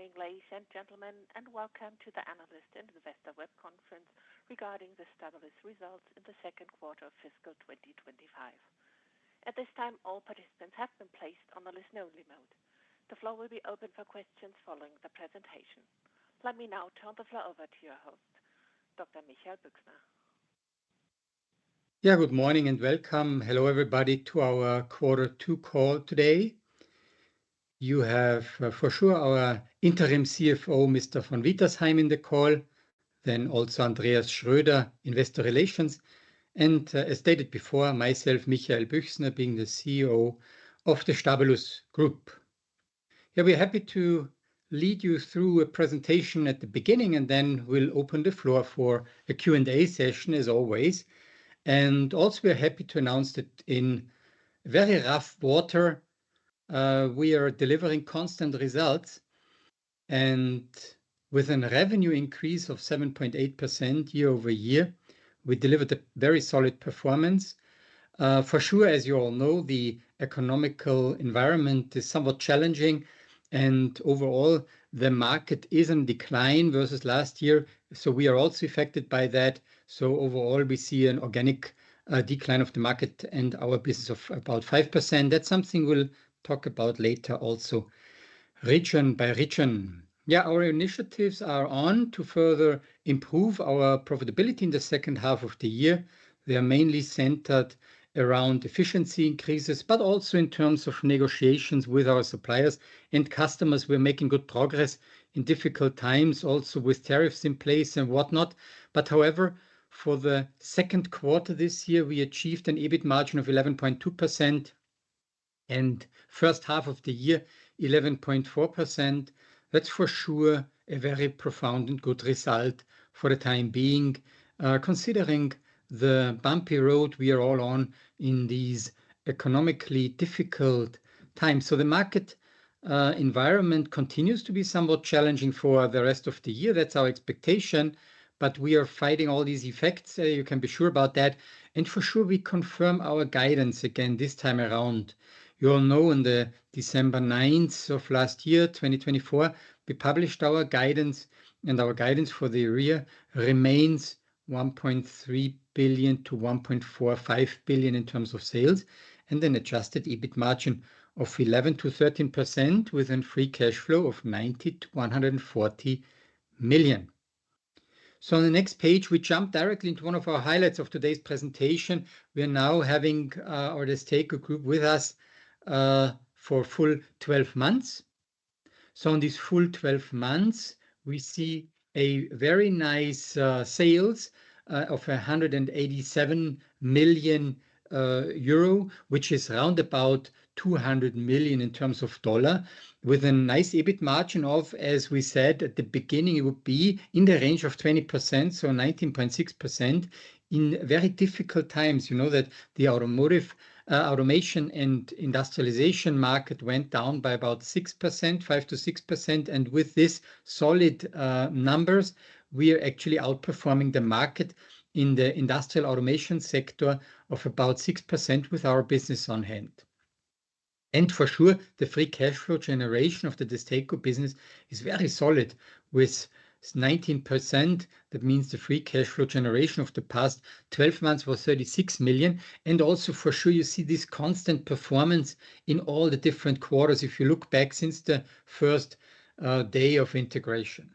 Good morning, ladies and gentlemen, and welcome to the Analysts in the Investors web conference regarding the Stabilus results in the second quarter of fiscal 2025. At this time, all participants have been placed on listen-only mode. The floor will be open for questions following the presentation. Let me now turn the floor over to your host, Dr. Michael Büchsner. Yes, good morning and welcome, hello everybody, to our quarter two call today. You have for sure our interim CFO, Mr. von Wietersheim, in the call, then also Andreas Schröder in Investor Relations, and as stated before, myself, Michael Büchsner, being the CEO of the Stabilus Group. We're happy to lead you through a presentation at the beginning, and then we'll open the floor for a Q&A session as always. We're happy to announce that in very rough water, we are delivering constant results, and with a revenue increase of 7.8% year over year, we delivered a very solid performance. For sure, as you all know, the economical environment is somewhat challenging, and overall, the market is in decline versus last year, so we are also affected by that. Overall, we see an organic decline of the market and our business of about 5%. That's something we'll talk about later also. Region by region, our initiatives are on to further improve our profitability in the second half of the year. They are mainly centered around efficiency increases, but also in terms of negotiations with our suppliers and customers. We're making good progress in difficult times, also with tariffs in place and whatnot. However, for the second quarter this year, we achieved an EBIT margin of 11.2% and first half of the year, 11.4%. That's for sure a very profound and good result for the time being, considering the bumpy road we are all on in these economically difficult times. The market environment continues to be somewhat challenging for the rest of the year. That's our expectation, but we are fighting all these effects. You can be sure about that. For sure, we confirm our guidance again this time around. You all know on December 9th of last year, 2024, we published our guidance, and our guidance for the year remains $1.3 billion to $1.45 billion in terms of sales, and then adjusted EBIT margin of 11% to 13% with a free cash flow of $90 million to $140 million. On the next page, we jump directly into one of our highlights of today's presentation. We are now having our DESTACO Group with us for a full 12 months. In these full 12 months, we see a very nice sales of €187 million, which is round about $200 million in terms of dollar, with a nice EBIT margin of, as we said at the beginning, it would be in the range of 20%, so 19.6% in very difficult times. You know that the automotive automation and industrialization market went down by about 6%, 5% to 6%. With these solid numbers, we are actually outperforming the market in the industrial automation sector by about 6% with our business on hand. For sure, the free cash flow generation of DESTACO business is very solid at 19%. That means the free cash flow generation of the past 12 months was $36 million. Also for sure, you see this constant performance in all the different quarters if you look back since the first day of integration.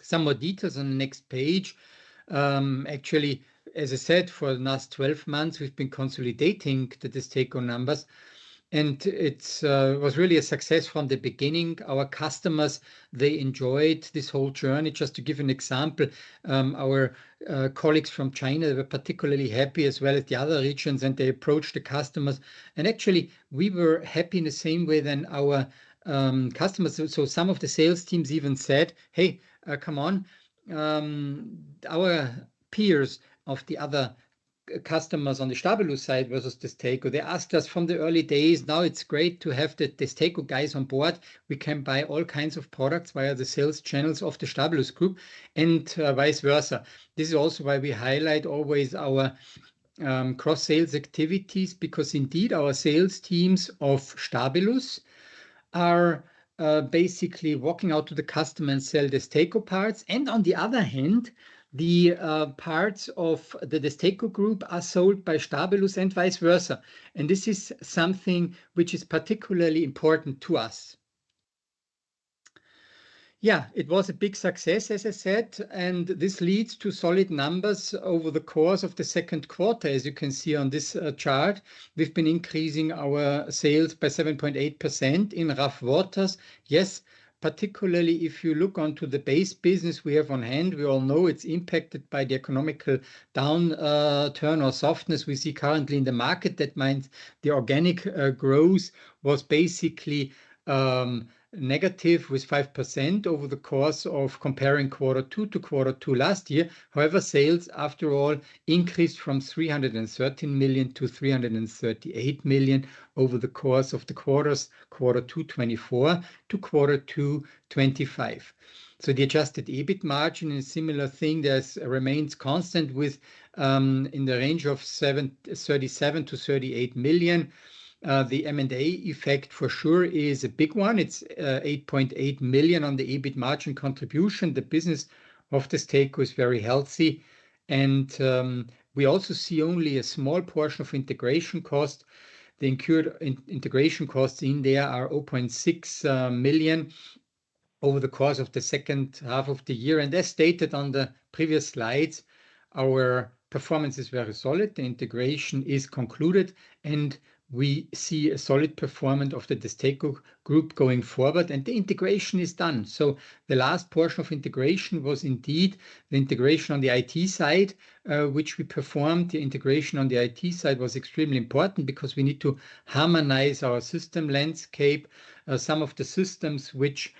Some more details on the next page. Actually, as I said, for the last 12 months, we've been consolidating DESTACO numbers, and it was really a success from the beginning. Our customers enjoyed this whole journey. Just to give an example, our colleagues from China were particularly happy, as well as the other regions, and they approached the customers. Actually, we were happy in the same way as our customers. Some of the sales teams even said, "Hey, come on." Our peers of the other customers on the Stabilus side versus the stakeholder, they asked us from the early days, "Now it's great to have DESTACO guys on board. We can buy all kinds of products via the sales channels of the Stabilus Group and vice versa." This is also why we highlight always our cross-sales activities, because indeed our sales teams of Stabilus are basically walking out to the customer and sell DESTACO parts. On the other hand, the parts of the DESTACO Group are sold by Stabilus and vice versa. This is something which is particularly important to us. Yeah, it was a big success, as I said, and this leads to solid numbers over the course of the second quarter. As you can see on this chart, we've been increasing our sales by 7.8% in rough waters. Yes, particularly if you look at the base business we have on hand, we all know it's impacted by the economic downturn or softness we see currently in the market. That means the organic growth was basically negative with 5% over the course of comparing quarter two to quarter two last year. However, sales after all increased from $313 million to $338 million over the course of the quarters, quarter two 2024 to quarter two 2025. The adjusted EBIT margin is a similar thing that remains constant within the range of $37 million to $38 million. The M&A effect for sure is a big one. It's $8.8 million on the EBIT margin contribution. The business of DESTACO is very healthy, and we also see only a small portion of integration cost. The incurred integration costs in there are $0.6 million over the course of the second half of the year. As stated on the previous slides, our performance is very solid. The integration is concluded, and we see a solid performance of DESTACO group going forward, and the integration is done. The last portion of integration was indeed the integration on the IT side, which we performed. The integration on the IT side was extremely important because we need to harmonize our system landscape. Some of the systems which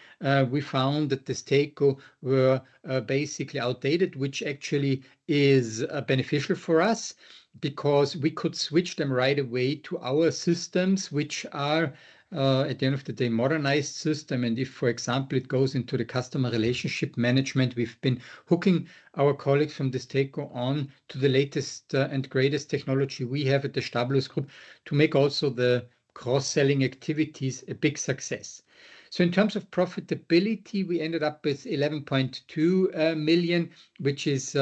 we found that DESTACO were basically outdated, which actually is beneficial for us because we could switch them right away to our systems, which are at the end of the day modernized systems. If, for example, it goes into the customer relationship management, we've been hooking our colleagues from DESTACO on to the latest and greatest technology we have at the Stabilus Group to make also the cross-selling activities a big success. In terms of profitability, we ended up with $11.2 million, which is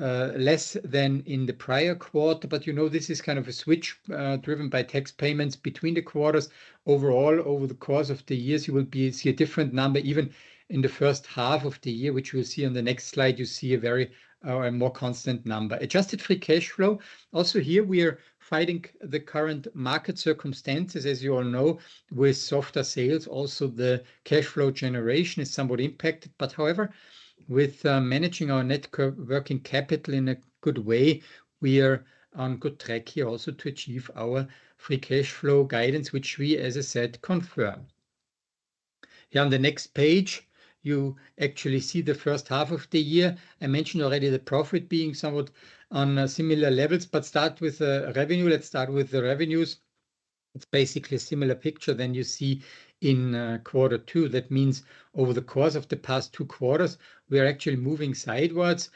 less than in the prior quarter. This is kind of a switch driven by tax payments between the quarters. Overall, over the course of the years, you will see a different number even in the first half of the year, which you will see on the next slide. You see a very more constant number. Adjusted free cash flow. Here, we are fighting the current market circumstances, as you all know, with softer sales. Also, the cash flow generation is somewhat impacted. However, with managing our net working capital in a good way, we are on good track here also to achieve our free cash flow guidance, which we, as I said, confirm. On the next page, you actually see the first half of the year. I mentioned already the profit being somewhat on similar levels, but start with the revenue. Let's start with the revenues. It's basically a similar picture than you see in quarter two. That means over the course of the past two quarters, we are actually moving sidewards.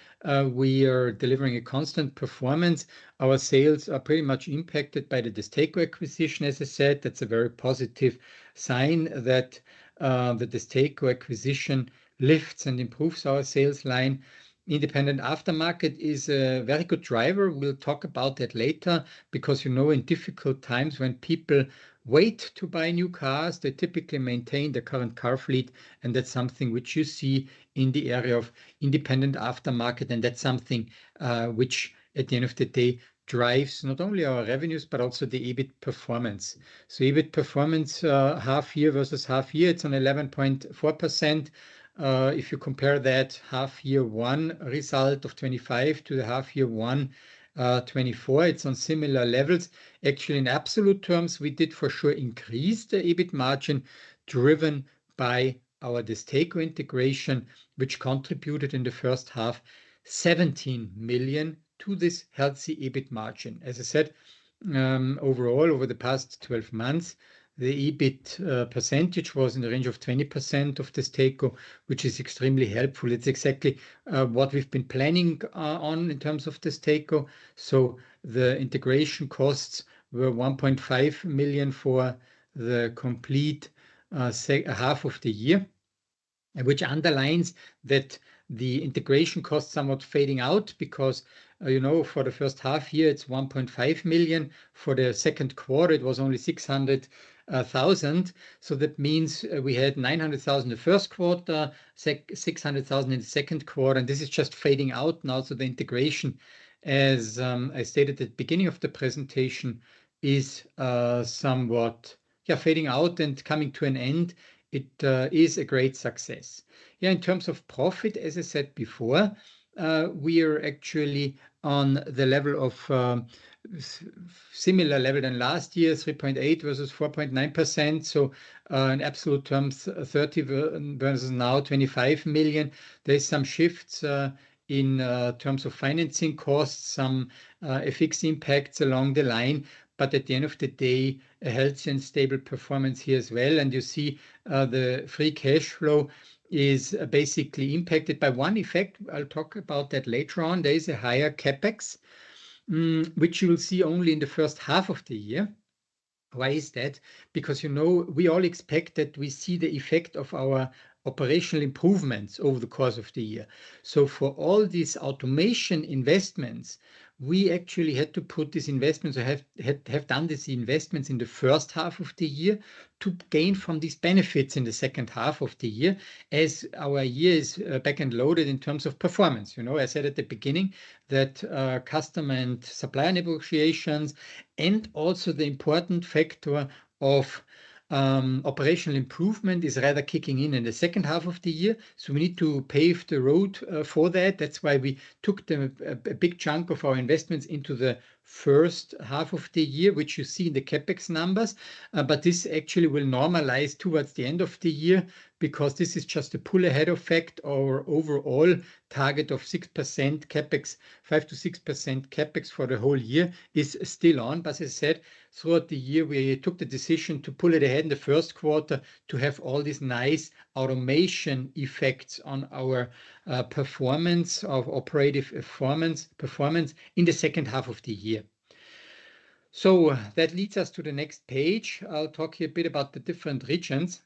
We are delivering a constant performance. Our sales are pretty much impacted by DESTACO acquisition, as I said. That's a very positive sign that DESTACO acquisition lifts and improves our sales line. Independent aftermarket is a very good driver. We'll talk about that later because you know, in difficult times when people wait to buy new cars, they typically maintain the current car fleet. That's something which you see in the area of independent aftermarket. That's something which at the end of the day drives not only our revenues, but also the EBIT performance. So EBIT performance half year versus half year, it's at 11.4%. If you compare that half year one result of '25 to the half year one '24, it's at similar levels. Actually, in absolute terms, we did for sure increase the EBIT margin driven by our stake integration, which contributed in the first half $17 million to this healthy EBIT margin. As I said, overall, over the past 12 months, the EBIT percentage was in the range of 20% of DESTACO, which is extremely helpful. It's exactly what we've been planning on in terms of DESTACO. So the integration costs were $1.5 million for the complete half of the year, which underlines that the integration costs somewhat fading out because you know, for the first half year, it's $1.5 million. For the second quarter, it was only $600,000. So that means we had $900,000 the first quarter, $600,000 in the second quarter. This is just fading out now. So the integration, as I stated at the beginning of the presentation, is somewhat fading out and coming to an end. It is a great success. In terms of profit, as I said before, we are actually on the level of similar level than last year, 3.8% versus 4.9%. So in absolute terms, $30 million versus now $25 million. There's some shifts in terms of financing costs, some fixed impacts along the line. At the end of the day, a healthy and stable performance here as well. You see the free cash flow is basically impacted by one effect. I'll talk about that later on. There is a higher CapEx, which you will see only in the first half of the year. Why is that? Because we all expect that we see the effect of our operational improvements over the course of the year. So for all these automation investments, we actually had to put these investments, have done these investments in the first half of the year to gain from these benefits in the second half of the year as our year is back-end loaded in terms of performance. You know, I said at the beginning that customer and supplier negotiations and also the important factor of operational improvement is rather kicking in in the second half of the year. So we need to pave the road for that. That's why we took a big chunk of our investments into the first half of the year, which you see in the CapEx numbers. But this actually will normalize towards the end of the year because this is just a pull ahead effect. Our overall target of 6% CapEx, 5% to 6% CapEx for the whole year is still on, as I said. Throughout the year, we took the decision to pull it ahead in the first quarter to have all these nice automation effects on our performance of operative performance in the second half of the year. That leads us to the next page. I'll talk to you a bit about the different regions.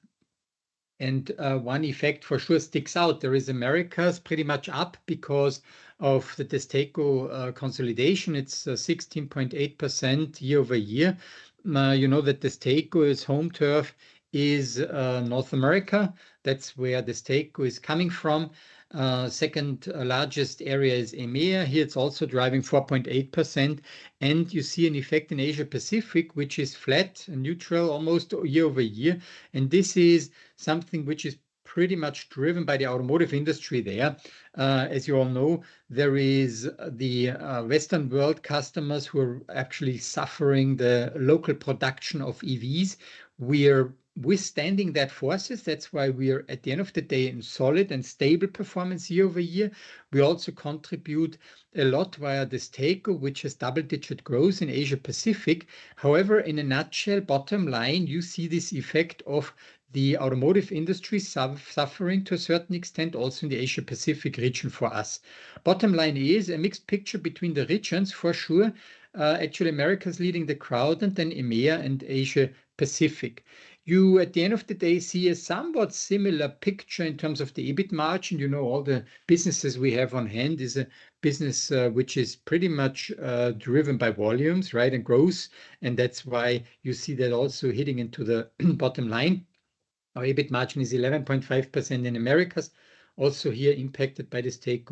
One effect for sure sticks out. There is America's pretty much up because of DESTACO consolidation. It's 16.8% year over year. You know that Stake is home turf is North America. That's where Stake is coming from. Second largest area is EMEA. Here it's also driving 4.8%. You see an effect in Asia Pacific, which is flat and neutral almost year over year. This is something which is pretty much driven by the automotive industry there. As you all know, there is the Western world customers who are actually suffering the local production of EVs. We are withstanding that forces. That's why we are at the end of the day in solid and stable performance year over year. We also contribute a lot via Stake, which has double-digit growth in Asia Pacific. However, in a nutshell, bottom line, you see this effect of the automotive industry suffering to a certain extent also in the Asia Pacific region for us. Bottom line is a mixed picture between the regions for sure. Actually, America's leading the crowd and then EMEA and Asia Pacific. You, at the end of the day, see a somewhat similar picture in terms of the EBIT margin. You know, all the businesses we have on hand is a business which is pretty much driven by volumes, right? And growth. That's why you see that also hitting into the bottom line. Our EBIT margin is 11.5% in Americas, also here impacted by this take.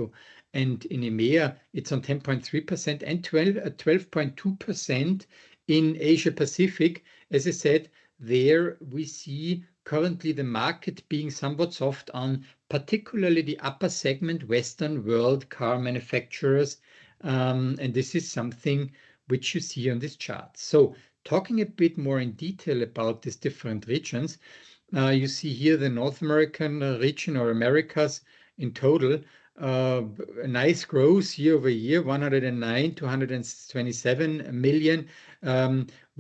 In EMEA, it's on 10.3% and 12.2% in Asia Pacific. As I said, there we see currently the market being somewhat soft on particularly the upper segment, Western world car manufacturers. This is something which you see on this chart. Talking a bit more in detail about these different regions, you see here the North American region or Americas in total, nice growth year over year, $109 to $127 million.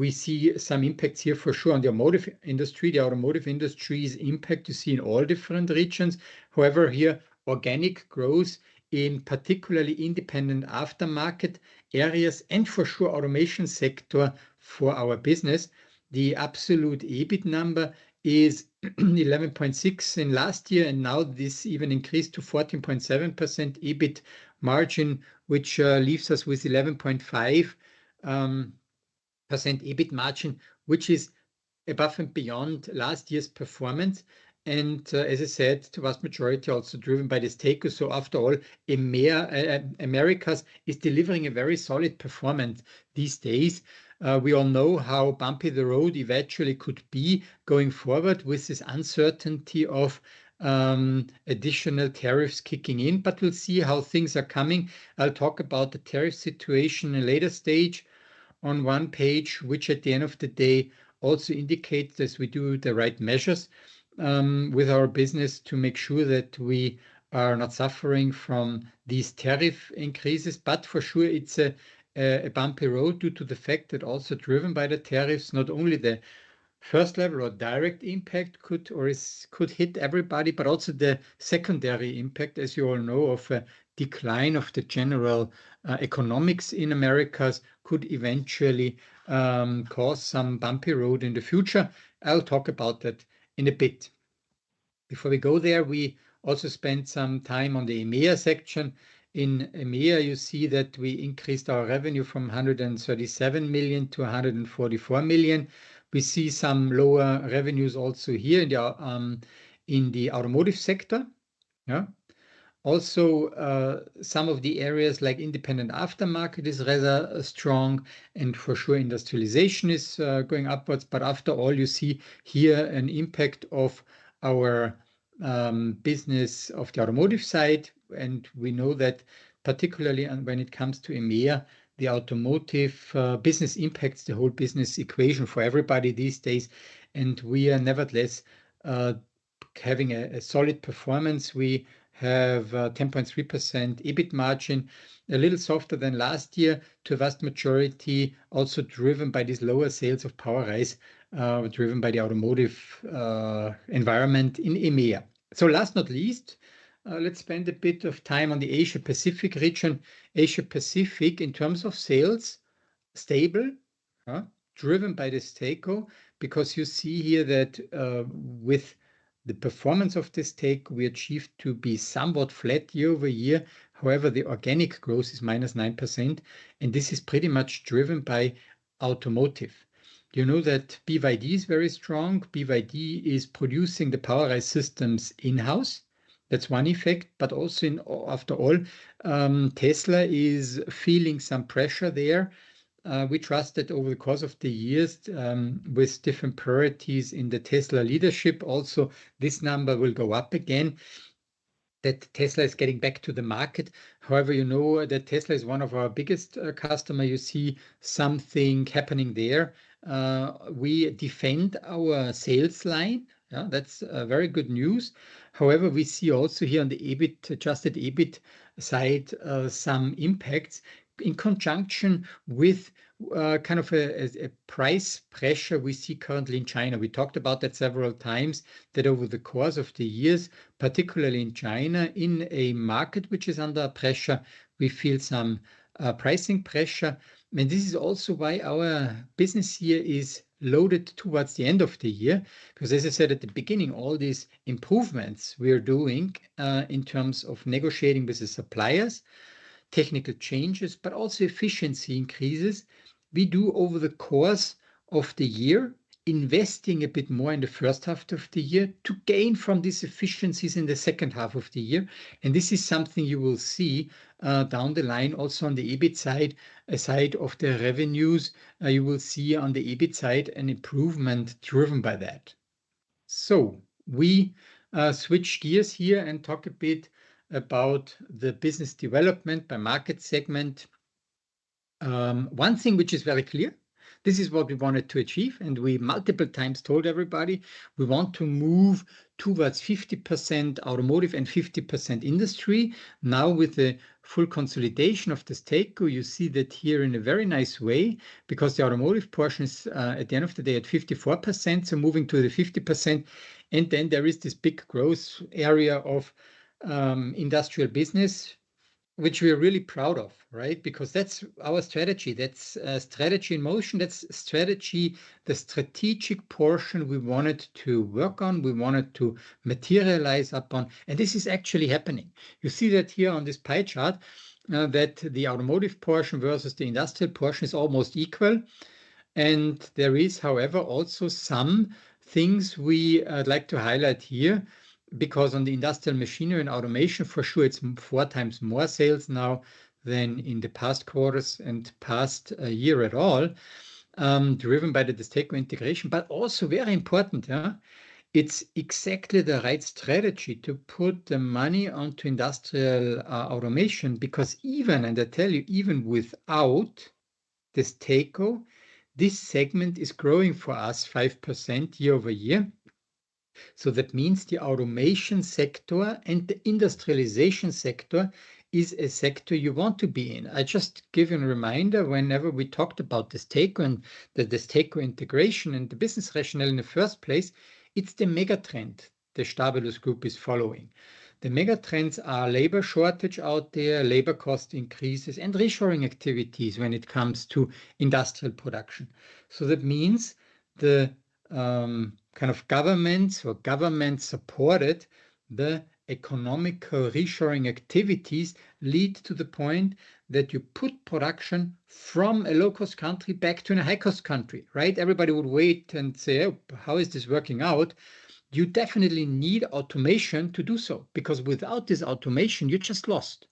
We see some impacts here for sure on the automotive industry. The automotive industry's impact you see in all different regions. However, here organic growth in particularly independent aftermarket areas and for sure automation sector for our business. The absolute EBIT number is 11.6% in last year, and now this even increased to 14.7% EBIT margin, which leaves us with 11.5% EBIT margin, which is above and beyond last year's performance. As I said, to the vast majority also driven by this take. After all, Americas is delivering a very solid performance these days. We all know how bumpy the road eventually could be going forward with this uncertainty of additional tariffs kicking in. But we'll see how things are coming. I'll talk about the tariff situation in a later stage on one page, which at the end of the day also indicates as we do the right measures with our business to make sure that we are not suffering from these tariff increases. For sure, it's a bumpy road due to the fact that also driven by the tariffs, not only the first level or direct impact could or could hit everybody, but also the secondary impact, as you all know, of a decline of the general economics in America could eventually cause some bumpy road in the future. I'll talk about that in a bit. Before we go there, we also spend some time on the EMEA section. In EMEA, you see that we increased our revenue from $137 million to $144 million. We see some lower revenues also here in the automotive sector. Also, some of the areas like independent aftermarket is rather strong and for sure industrialization is going upwards. After all, you see here an impact of our business of the automotive side. We know that particularly when it comes to EMEA, the automotive business impacts the whole business equation for everybody these days. We are nevertheless having a solid performance. We have a 10.3% EBIT margin, a little softer than last year to a vast majority also driven by these lower sales of POWERISE driven by the automotive environment in EMEA. Last but not least, let's spend a bit of time on the Asia Pacific region. Asia Pacific in terms of sales, stable, driven by this take because you see here that with the performance of this take, we achieved to be somewhat flat year over year. However, the organic growth is minus 9%. This is pretty much driven by automotive. You know that BYD is very strong. BYD is producing the POWERISE systems in-house. That's one effect. But also in after all, Tesla is feeling some pressure there. We trust that over the course of the years with different priorities in the Tesla leadership, also, this number will go up again that Tesla is getting back to the market. However, you know that Tesla is one of our biggest customers. You see something happening there. We defend our sales line. That's very good news. However, we see also here on the adjusted EBIT side, some impacts in conjunction with kind of a price pressure we see currently in China. We talked about that several times that over the course of the years, particularly in China, in a market which is under pressure, we feel some pricing pressure. This is also why our business here is loaded towards the end of the year. Because as I said at the beginning, all these improvements we are doing in terms of negotiating with the suppliers, technical changes, but also efficiency increases, we do over the course of the year investing a bit more in the first half of the year to gain from these efficiencies in the second half of the year. This is something you will see down the line also on the EBIT side. Aside from the revenues, you will see on the EBIT side an improvement driven by that. We switch gears here and talk a bit about the business development by market segment. One thing which is very clear, this is what we wanted to achieve. We multiple times told everybody we want to move towards 50% automotive and 50% industry. Now with the full consolidation of this take, you see that here in a very nice way because the automotive portion is at the end of the day at 54%. Moving to the 50%. There is this big growth area of industrial business, which we are really proud of, right? Because that's our strategy. That's a strategy in motion. That's strategy, the strategic portion we wanted to work on, we wanted to materialize upon. This is actually happening. You see that here on this pie chart that the automotive portion versus the industrial portion is almost equal. There is, however, also some things we'd like to highlight here because on the industrial machinery and automation, for sure, it's four times more sales now than in the past quarters and past year at all, driven by DESTACO integration. But also very important, it's exactly the right strategy to put the money onto industrial automation because even, and I tell you, even without this takeover, this segment is growing for us 5% year over year. That means the automation sector and the industrialization sector is a sector you want to be in. I just give you a reminder whenever we talked about this takeover and this takeover integration and the business rationale in the first place, it's the mega trend the Stabilus Group is following. The mega trends are labor shortage out there, labor cost increases, and reshoring activities when it comes to industrial production. That means the kind of governments or government-supported economical reshoring activities lead to the point that you put production from a low-cost country back to a high-cost country, right? Everybody would wait and say, "Oh, how is this working out?" You definitely need automation to do so because without this automation, you're just lost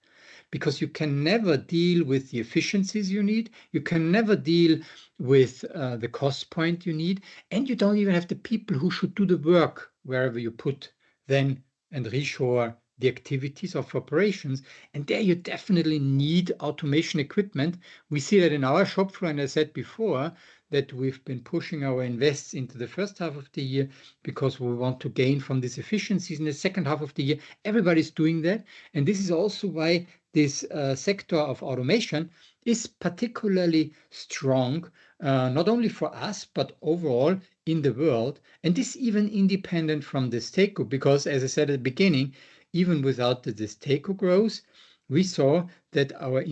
because you can never deal with the efficiencies you need. You can never deal with the cost point you need, and you don't even have the people who should do the work wherever you put then and reshore the activities of operations. There you definitely need automation equipment. We see that in our shop floor, and I said before that we've been pushing our investments into the first half of the year because we want to gain from these efficiencies in the second half of the year. Everybody's doing that. This is also why this sector of automation is particularly strong, not only for us, but overall in the world. This is even independent from this take because, as I said at the beginning, even without this take growth, we saw that our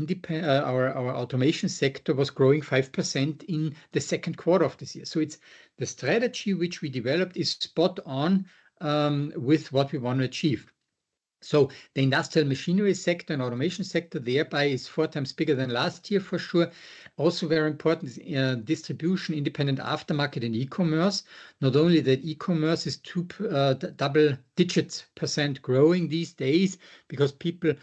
automation sector was growing 5% in the second quarter of this year. The strategy which we developed is spot on with what we want to achieve. The industrial machinery sector and automation sector thereby is four times bigger than last year for sure. Also very important is distribution, independent aftermarket and e-commerce. Not only that, e-commerce is growing by double digits percentage these days because people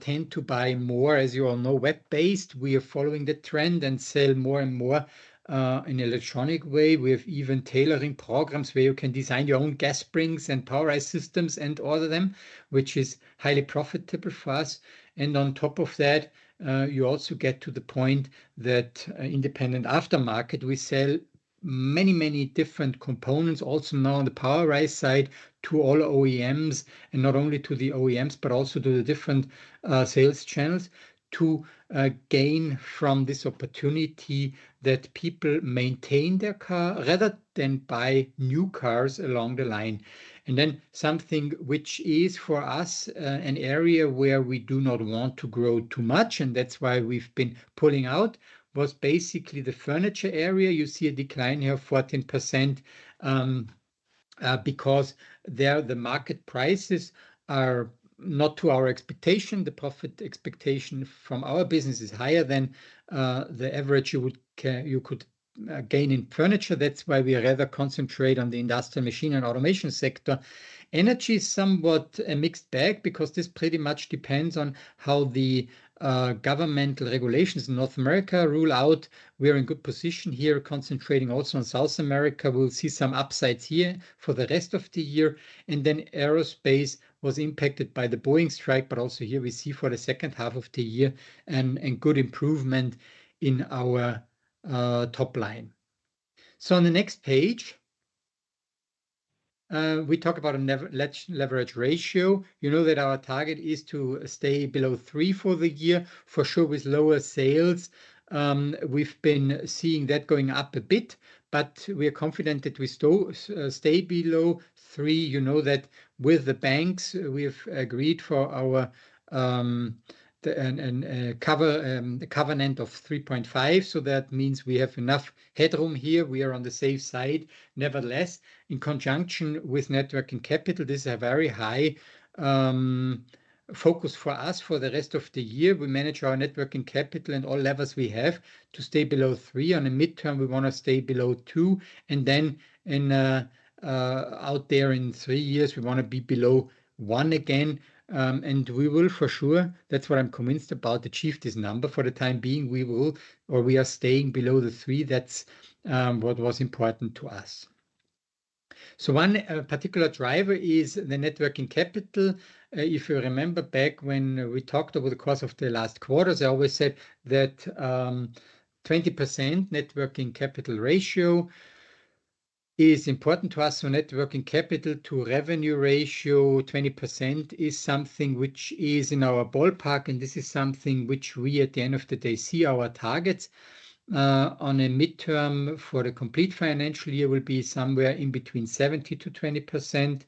tend to buy more, as you all know, web-based. We are following the trend and sell more and more in electronic way. We have even tailoring programs where you can design your own Gas Springs and POWERISE systems and order them, which is highly profitable for us. On top of that, you also get to the point that independent aftermarket, we sell many, many different components also now on the POWERISE side to all OEMs and not only to the OEMs, but also to the different sales channels to gain from this opportunity that people maintain their car rather than buy new cars along the line. Something which is for us an area where we do not want to grow too much, and that's why we've been pulling out was basically the furniture area. You see a decline here, 14%, because there the market prices are not to our expectation. The profit expectation from our business is higher than the average you could gain in furniture. That's why we rather concentrate on the industrial machine and automation sector. Energy is somewhat a mixed bag because this pretty much depends on how the governmental regulations in North America rule out. We're in good position here concentrating also on South America. We'll see some upsides here for the rest of the year. Aerospace was impacted by the Boeing strike, but also here we see for the second half of the year good improvement in our top line. On the next page, we talk about a leverage ratio. You know that our target is to stay below three for the year. For sure, with lower sales, we've been seeing that going up a bit, but we are confident that we still stay below three. You know that with the banks, we've agreed for our covenant of 3.5. That means we have enough headroom here. We are on the safe side. Nevertheless, in conjunction with working capital, this is a very high focus for us for the rest of the year. We manage our working capital and all levels we have to stay below three. On a midterm, we want to stay below two. And then out there in three years, we want to be below one again. And we will for sure. That's what I'm convinced about achieved this number for the time being. We will, or we are staying below the 3%. That's what was important to us. One particular driver is the working capital. If you remember back when we talked over the course of the last quarters, I always said that 20% working capital ratio is important to us. Working capital to revenue ratio, 20% is something which is in our ballpark. This is something which we, at the end of the day, see our targets on a midterm for the complete financial year will be somewhere in between 17% to 20%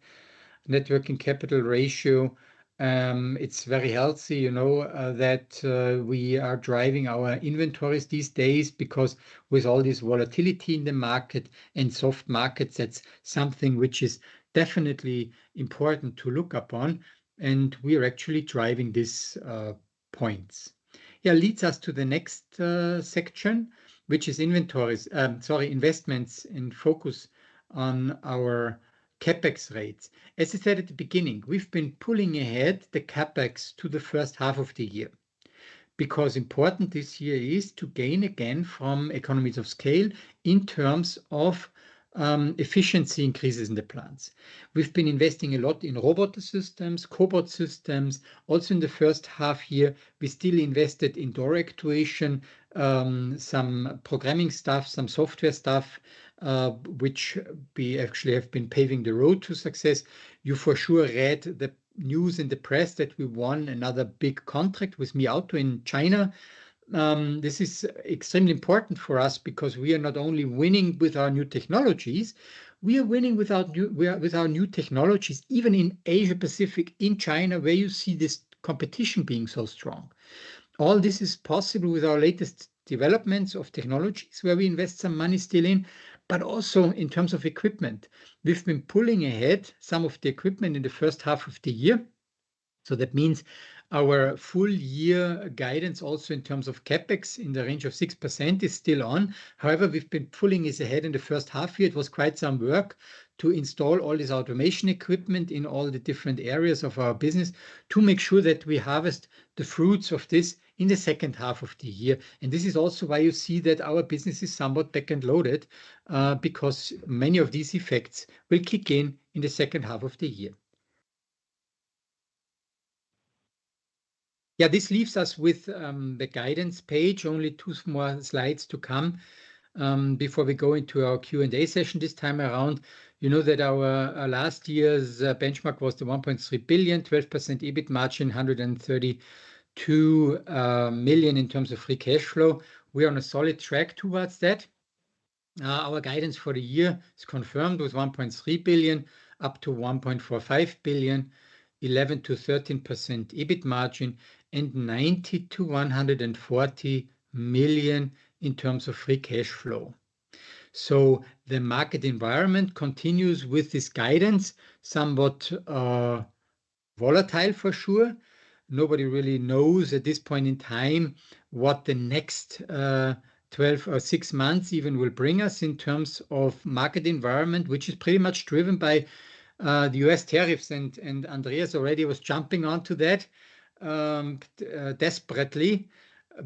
working capital ratio. It's very healthy that we are driving our inventories these days because with all this volatility in the market and soft markets, that's something which is definitely important to look upon. We are actually driving these points. Yeah, leads us to the next section, which is investments in focus on our CapEx rates. As I said at the beginning, we've been pulling ahead the CapEx to the first half of the year because important this year is to gain again from economies of scale in terms of efficiency increases in the plants. We've been investing a lot in robot systems, cobot systems. Also in the first half year, we still invested in Direct Actuation, some programming stuff, some software stuff, which we actually have been paving the road to success. You for sure read the news in the press that we won another big contract with Mi Auto in China. This is extremely important for us because we are not only winning with our new technologies, we are winning with our new technologies even in Asia Pacific, in China, where you see this competition being so strong. All this is possible with our latest developments of technologies where we invest some money still in, but also in terms of equipment. We've been pulling ahead some of the equipment in the first half of the year. That means our full year guidance also in terms of CapEx in the range of 6% is still on. However, we've been pulling this ahead in the first half year. It was quite some work to install all this automation equipment in all the different areas of our business to make sure that we harvest the fruits of this in the second half of the year. This is also why you see that our business is somewhat back end loaded because many of these effects will kick in in the second half of the year. This leaves us with the guidance page, only two more slides to come before we go into our Q&A session this time around. You know that our last year's benchmark was the $1.3 billion, 12% EBIT margin, $132 million in terms of free cash flow. We are on a solid track towards that. Our guidance for the year is confirmed with $1.3 billion up to $1.45 billion, 11% to 13% EBIT margin, and $90 million to $140 million in terms of free cash flow. The market environment continues with this guidance, somewhat volatile for sure. Nobody really knows at this point in time what the next 12 or 6 months even will bring us in terms of market environment, which is pretty much driven by the US tariffs. Andreas already was jumping onto that desperately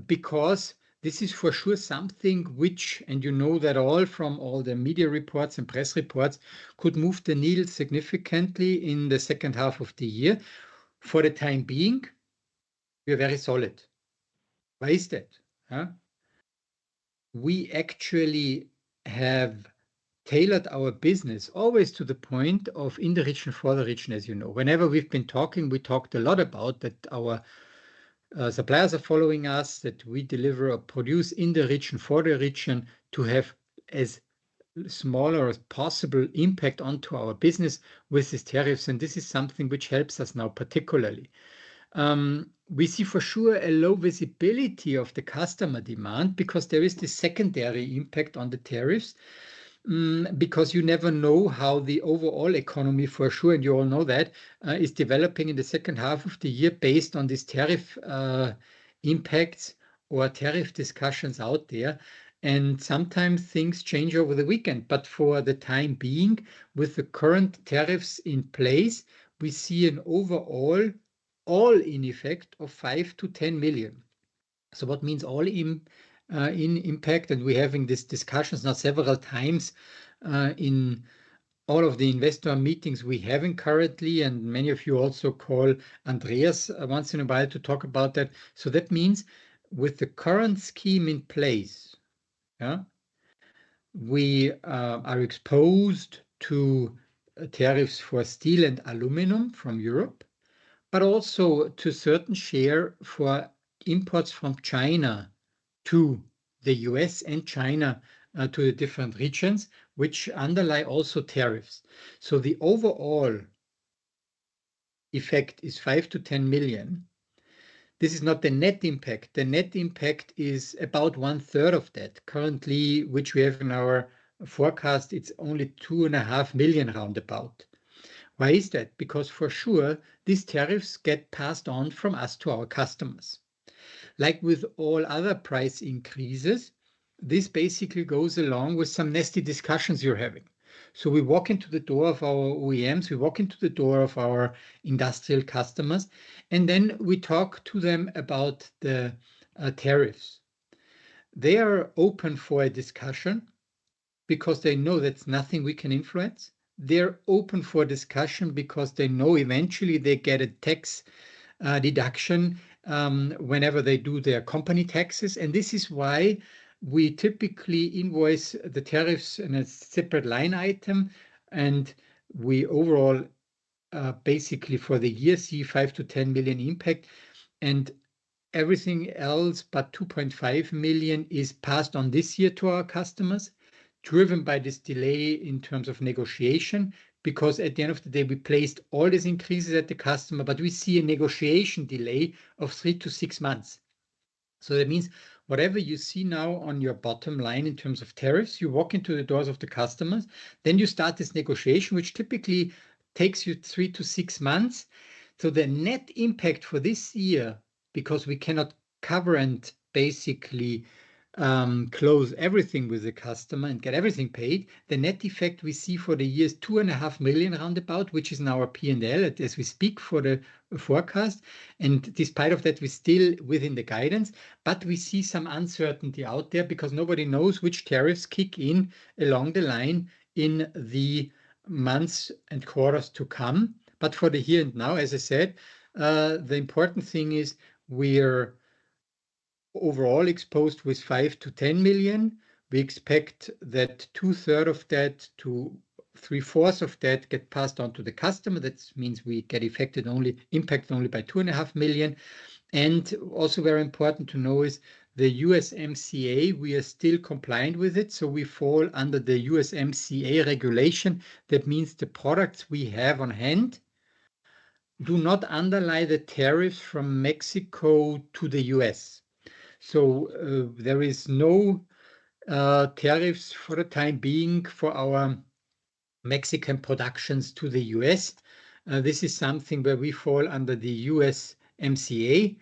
because this is for sure something which, and you know that all from all the media reports and press reports, could move the needle significantly in the second half of the year. For the time being, we are very solid. Why is that? We actually have tailored our business always to the point of in the region for the region, as you know. Whenever we've been talking, we talked a lot about that our suppliers are following us, that we deliver or produce in the region for the region to have as small or as possible impact onto our business with these tariffs. This is something which helps us now particularly. We see for sure a low visibility of the customer demand because there is this secondary impact on the tariffs because you never know how the overall economy for sure, and you all know that, is developing in the second half of the year based on these tariff impacts or tariff discussions out there. Sometimes things change over the weekend. But for the time being, with the current tariffs in place, we see an overall all in effect of $5 million to $10 million. So what means all in impact, and we're having these discussions now several times in all of the investor meetings we're having currently, and many of you also call Andreas once in a while to talk about that. That means with the current scheme in place, we are exposed to tariffs for steel and aluminum from Europe, but also to a certain share for imports from China to the US and China to the different regions, which underlie also tariffs. The overall effect is $5 to $10 million. This is not the net impact. The net impact is about one third of that currently, which we have in our forecast, it's only $2.5 million roundabout. Why is that? Because for sure, these tariffs get passed on from us to our customers. Like with all other price increases, this basically goes along with some nasty discussions you're having. We walk into the door of our OEMs, we walk into the door of our industrial customers, and then we talk to them about the tariffs. They are open for a discussion because they know that's nothing we can influence. They're open for a discussion because they know eventually they get a tax deduction whenever they do their company taxes. This is why we typically invoice the tariffs in a separate line item. We overall, basically for the year see $5 to $10 million impact. Everything else but $2.5 million is passed on this year to our customers, driven by this delay in terms of negotiation because at the end of the day, we placed all these increases at the customer, but we see a negotiation delay of three to six months. That means whatever you see now on your bottom line in terms of tariffs, you walk into the doors of the customers, then you start this negotiation, which typically takes you three to six months. The net impact for this year, because we cannot cover and basically close everything with the customer and get everything paid, the net effect we see for the year is $2.5 million roundabout, which is now our P&L as we speak for the forecast. Despite that, we're still within the guidance, but we see some uncertainty out there because nobody knows which tariffs kick in along the line in the months and quarters to come. But for the here and now, as I said, the important thing is we're overall exposed with $5 to $10 million. We expect that two thirds of that to three fourths of that get passed on to the customer. That means we get impacted only by $2.5 million. Also very important to know is the USMCA, we are still compliant with it. We fall under the USMCA regulation. That means the products we have on hand do not underlie the tariffs from Mexico to the US. There are no tariffs for the time being for our Mexican productions to the US. This is something where we fall under the USMCA.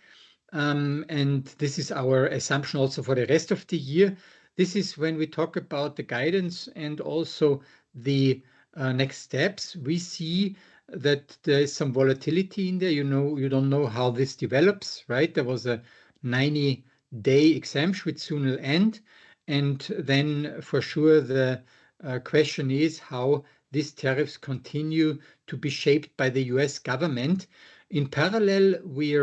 This is our assumption also for the rest of the year. This is when we talk about the guidance and also the next steps. We see that there is some volatility in there. You don't know how this develops, right? There was a 90-day exemption with sooner end. Then for sure, the question is how these tariffs continue to be shaped by the US government. In parallel, we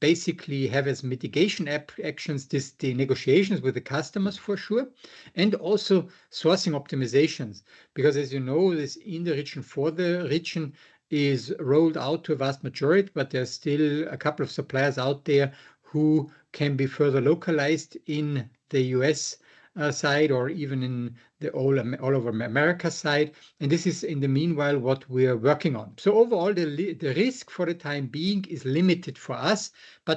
basically have as mitigation actions the negotiations with the customers for sure, and also sourcing optimizations. Because as you know, this in the region for the region is rolled out to a vast majority, but there's still a couple of suppliers out there who can be further localized in the US side or even in the all over America side. This is in the meanwhile what we are working on. Overall, the risk for the time being is limited for us.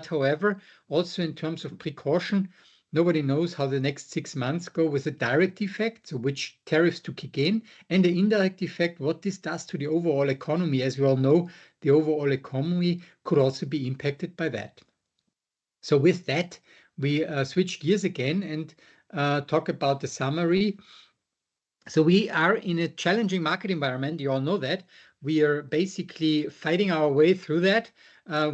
However, also in terms of precaution, nobody knows how the next six months go with the direct effect, which tariffs to kick in, and the indirect effect, what this does to the overall economy. As we all know, the overall economy could also be impacted by that. With that, we switch gears again and talk about the summary. We are in a challenging market environment. You all know that. We are basically fighting our way through that.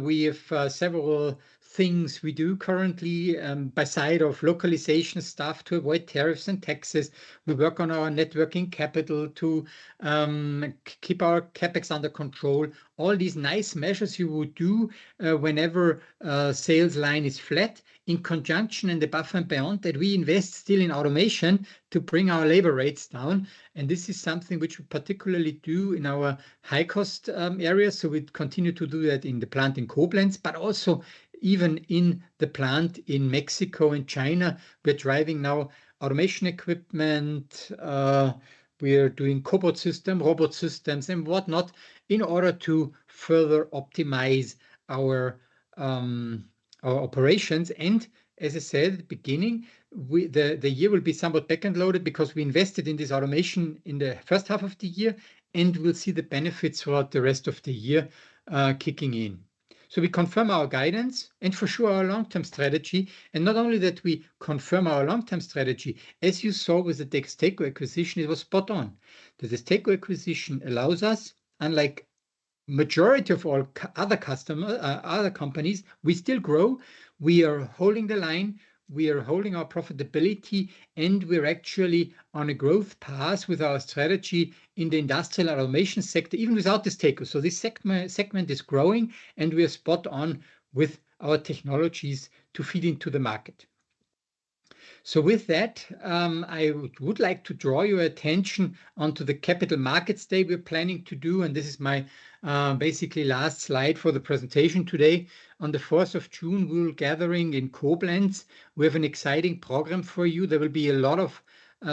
We have several things we do currently besides localization stuff to avoid tariffs and taxes. We work on our networking capital to keep our CapEx under control. All these nice measures you would do whenever sales line is flat in conjunction and above and beyond that we invest still in automation to bring our labor rates down. This is something which we particularly do in our high cost areas. So we continue to do that in the plant in Koblenz, but also even in the plant in Mexico and China. We're driving now automation equipment. We are doing cobot system, robot systems, and whatnot in order to further optimize our operations. As I said at the beginning, the year will be somewhat back-end loaded because we invested in this automation in the first half of the year, and we'll see the benefits throughout the rest of the year kicking in. So we confirm our guidance and for sure our long-term strategy. Not only that, we confirm our long-term strategy. As you saw with the tech stake acquisition, it was spot on. The tech acquisition allows us, unlike the majority of all other companies, we still grow. We are holding the line. We are holding our profitability, and we're actually on a growth path with our strategy in the industrial automation sector, even without this takeover. So this segment is growing, and we are spot on with our technologies to feed into the market. With that, I would like to draw your attention to the capital markets day we're planning to do. This is basically my last slide for the presentation today. On the 4th of June, we'll be gathering in Koblenz. We have an exciting program for you. There will be a lot of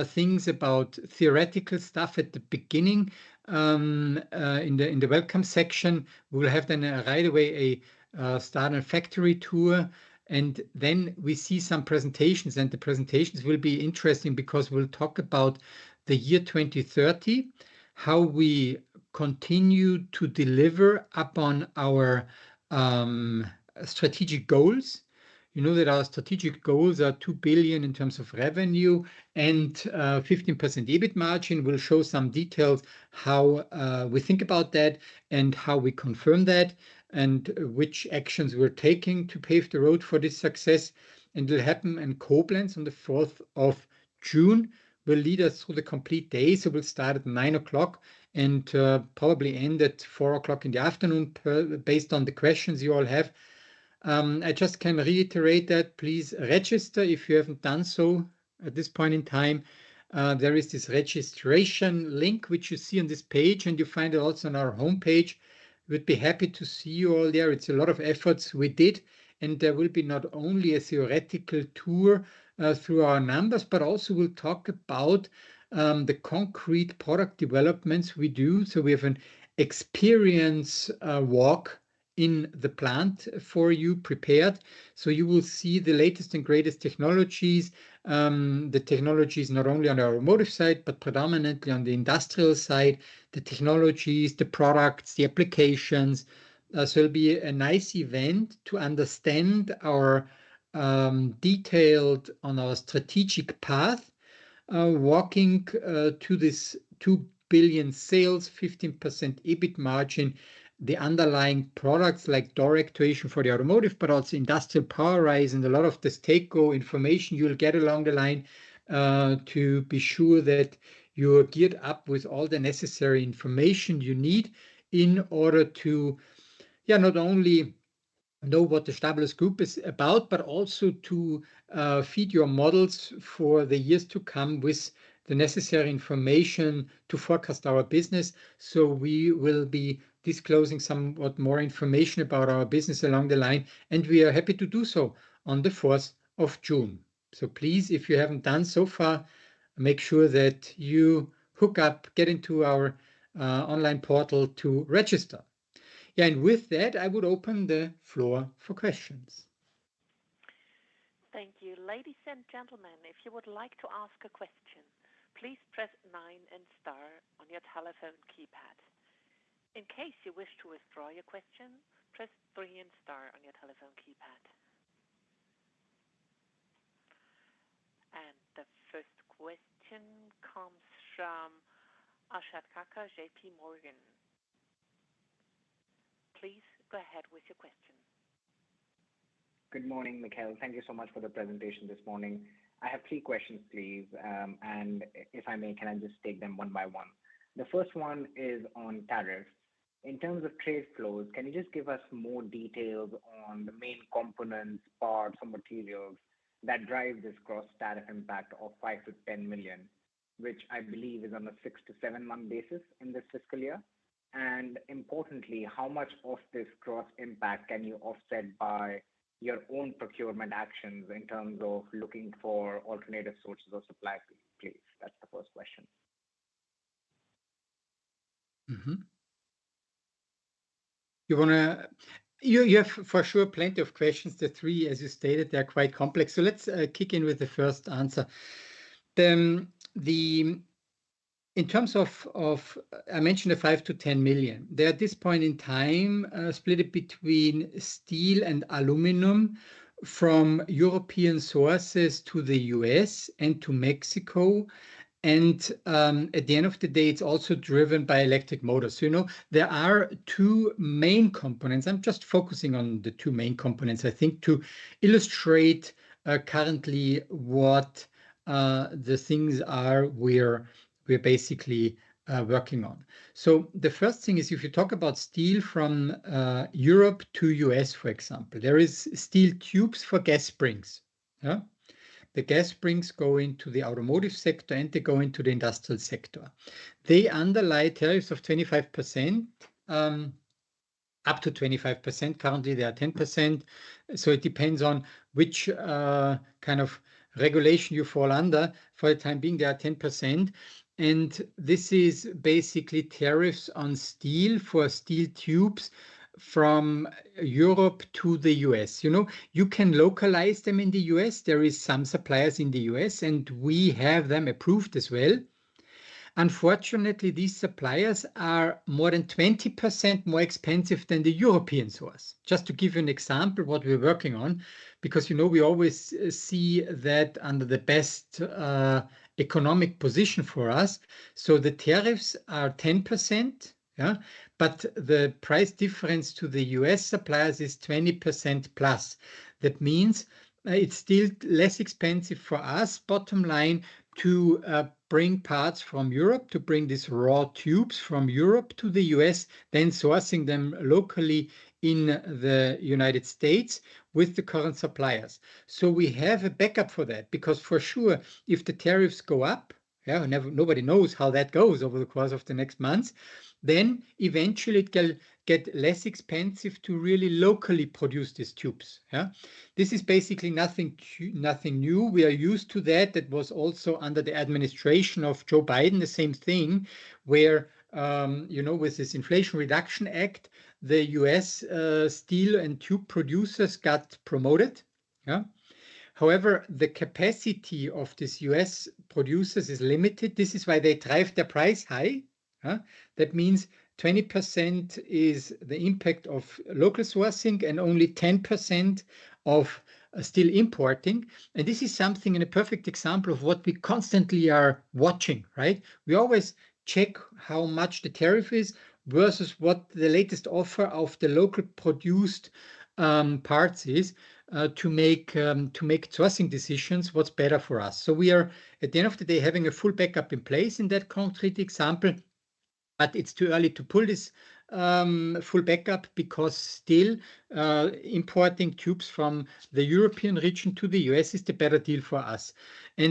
things about theoretical stuff at the beginning in the welcome section. We'll have then right away a start of factory tour. Then we see some presentations, and the presentations will be interesting because we'll talk about the year 2030, how we continue to deliver upon our strategic goals. You know that our strategic goals are $2 billion in terms of revenue, and 15% EBIT margin. We'll show some details how we think about that and how we confirm that and which actions we're taking to pave the road for this success. It'll happen in Koblenz on the 4th of June. We'll lead you through the complete day. We'll start at 9 o'clock and probably end at 4 o'clock in the afternoon based on the questions you all have. I just can reiterate that please register if you haven't done so at this point in time. There is this registration link, which you see on this page, and you find it also on our homepage. We'd be happy to see you all there. It's a lot of effort we did. There will be not only a theoretical tour through our numbers, but also we'll talk about the concrete product developments we do. We have an experience walk in the plant prepared for you. You will see the latest and greatest technologies, the technologies not only on our motor side, but predominantly on the industrial side, the technologies, the products, the applications. It'll be a nice event to understand our detailed strategic path, walking to this $2 billion sales, 15% EBIT margin, the underlying products like Direct Actuation for the automotive, but also industrial POWERISE and a lot of DESTACO information you'll get along the line to be sure that you're geared up with all the necessary information you need in order to not only know what the established group is about, but also to feed your models for the years to come with the necessary information to forecast our business. We will be disclosing somewhat more information about our business along the line, and we are happy to do so on the 4th of June. Please, if you haven't done so far, make sure that you hook up, get into our online portal to register. With that, I would open the floor for questions. Thank you. Ladies and gentlemen, if you would like to ask a question, please press nine and star on your telephone keypad. In case you wish to withdraw your question, press three and star on your telephone keypad. The first question comes from Akshat Kacker JPMorgan. Please go ahead with your question. Good morning, Michael. Thank you so much for the presentation this morning. I have three questions, please. If I may, can I just take them one by one? The first one is on tariffs. In terms of trade flows, can you just give us more details on the main components, parts, or materials that drive this cross tariff impact of $5 to $10 million, which I believe is on a 6 to 7-month basis in this fiscal year? Importantly, how much of this cross impact can you offset by your own procurement actions in terms of looking for alternative sources of supply, please? That's the first question. You have for sure plenty of questions. The three, as you stated, they're quite complex. Let's kick in with the first answer. In terms of, I mentioned the 5 to 10 million, they're at this point in time split between steel and aluminum from European sources to the US and to Mexico. At the end of the day, it's also driven by electric motors. There are two main components. I'm just focusing on the two main components, I think, to illustrate currently what the things are we're basically working on. The first thing is if you talk about steel from Europe to US, for example, there are steel tubes for Gas Springs. The Gas Springs go into the automotive sector and they go into the industrial sector. They underlie tariffs of 25% up to 25%. Currently, they are 10%. It depends on which kind of regulation you fall under. For the time being, they are 10%. This is basically tariffs on steel for steel tubes from Europe to the US. You can localize them in the US. There are some suppliers in the US, and we have them approved as well. Unfortunately, these suppliers are more than 20% more expensive than the European source. Just to give you an example of what we're working on, because we always see that under the best economic position for us. The tariffs are 10%, but the price difference to the US suppliers is 20% plus. That means it's still less expensive for us, bottom line, to bring parts from Europe, to bring these raw tubes from Europe to the US, then sourcing them locally in the United States with the current suppliers. We have a backup for that because for sure, if the tariffs go up, nobody knows how that goes over the course of the next months, then eventually it'll get less expensive to really locally produce these tubes. This is basically nothing new. We are used to that. That was also under the administration of Joe Biden, the same thing where with this Inflation Reduction Act, the U.S. steel and tube producers got promoted. However, the capacity of these U.S. producers is limited. This is why they drive their price high. That means 20% is the impact of local sourcing and only 10% of steel importing. This is something and a perfect example of what we constantly are watching. We always check how much the tariff is versus what the latest offer of the local produced parts is to make sourcing decisions what's better for us. We are, at the end of the day, having a full backup in place in that concrete example, but it's too early to pull this full backup because still importing tubes from the European region to the US is the better deal for us.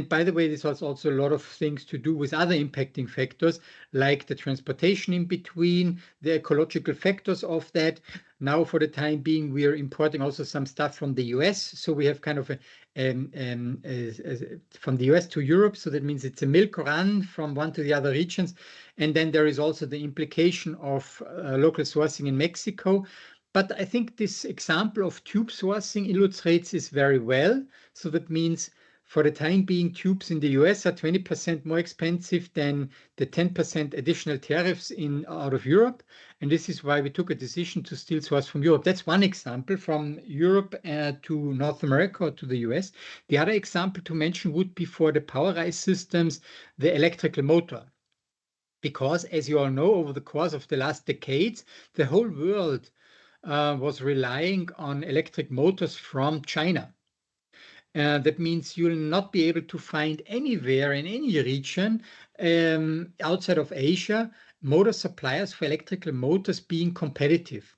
By the way, this has also a lot of things to do with other impacting factors like the transportation in between, the ecological factors of that. Now, for the time being, we are importing also some stuff from the US. We have kind of from the US to Europe. That means it's a milk run from one to the other regions. Then there is also the implication of local sourcing in Mexico. I think this example of tube sourcing illustrates this very well. That means for the time being, tubes in the US are 20% more expensive than the 10% additional tariffs out of Europe. This is why we took a decision to still source from Europe. That's one example from Europe to North America or to the US. The other example to mention would be for the POWERISE systems, the electrical motor. Because as you all know, over the course of the last decades, the whole world was relying on electric motors from China. That means you'll not be able to find anywhere in any region outside of Asia motor suppliers for electrical motors being competitive.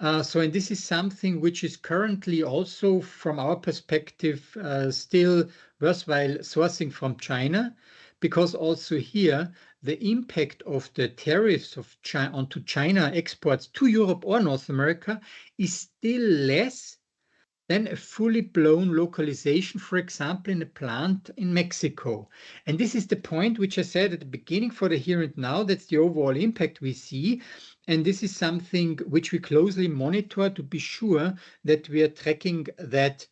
This is something which is currently also from our perspective still worthwhile sourcing from China because also here the impact of the tariffs onto China exports to Europe or North America is still less than a fully blown localization, for example, in a plant in Mexico. This is the point which I said at the beginning for the here and now, that's the overall impact we see. This is something which we closely monitor to be sure that we are tracking that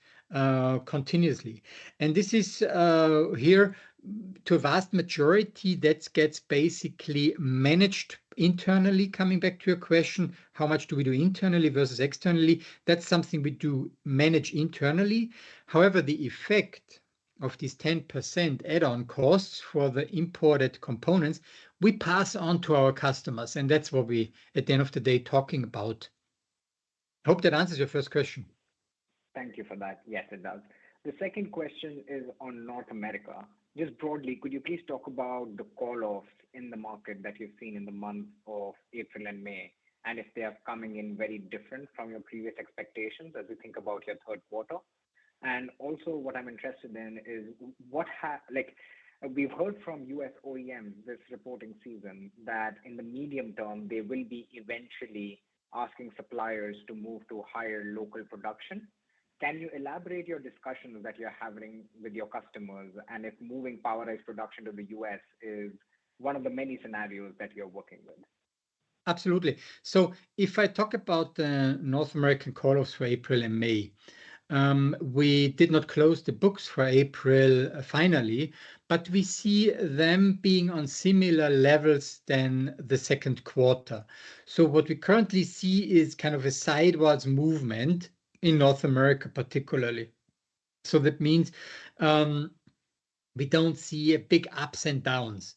continuously. This is here to a vast majority that gets basically managed internally. Coming back to your question, how much do we do internally versus externally? That's something we do manage internally. However, the effect of these 10% add-on costs for the imported components, we pass on to our customers. That's what we're at the end of the day talking about. I hope that answers your first question. Thank you for that. Yes, it does. The second question is on North America. Just broadly, could you please talk about the call-offs in the market that you've seen in the month of April and May, and if they are coming in very different from your previous expectations as you think about your third quarter? And also what I'm interested in is what we've heard from US OEMs this reporting season that in the medium term, they will be eventually asking suppliers to move to higher local production. Can you elaborate your discussions that you're having with your customers and if moving power train production to the US is one of the many scenarios that you're working with? Absolutely. If I talk about the North American call-offs for April and May, we did not close the books for April finally, but we see them being on similar levels than the second quarter. What we currently see is kind of a sideways movement in North America particularly. That means we don't see big ups and downs.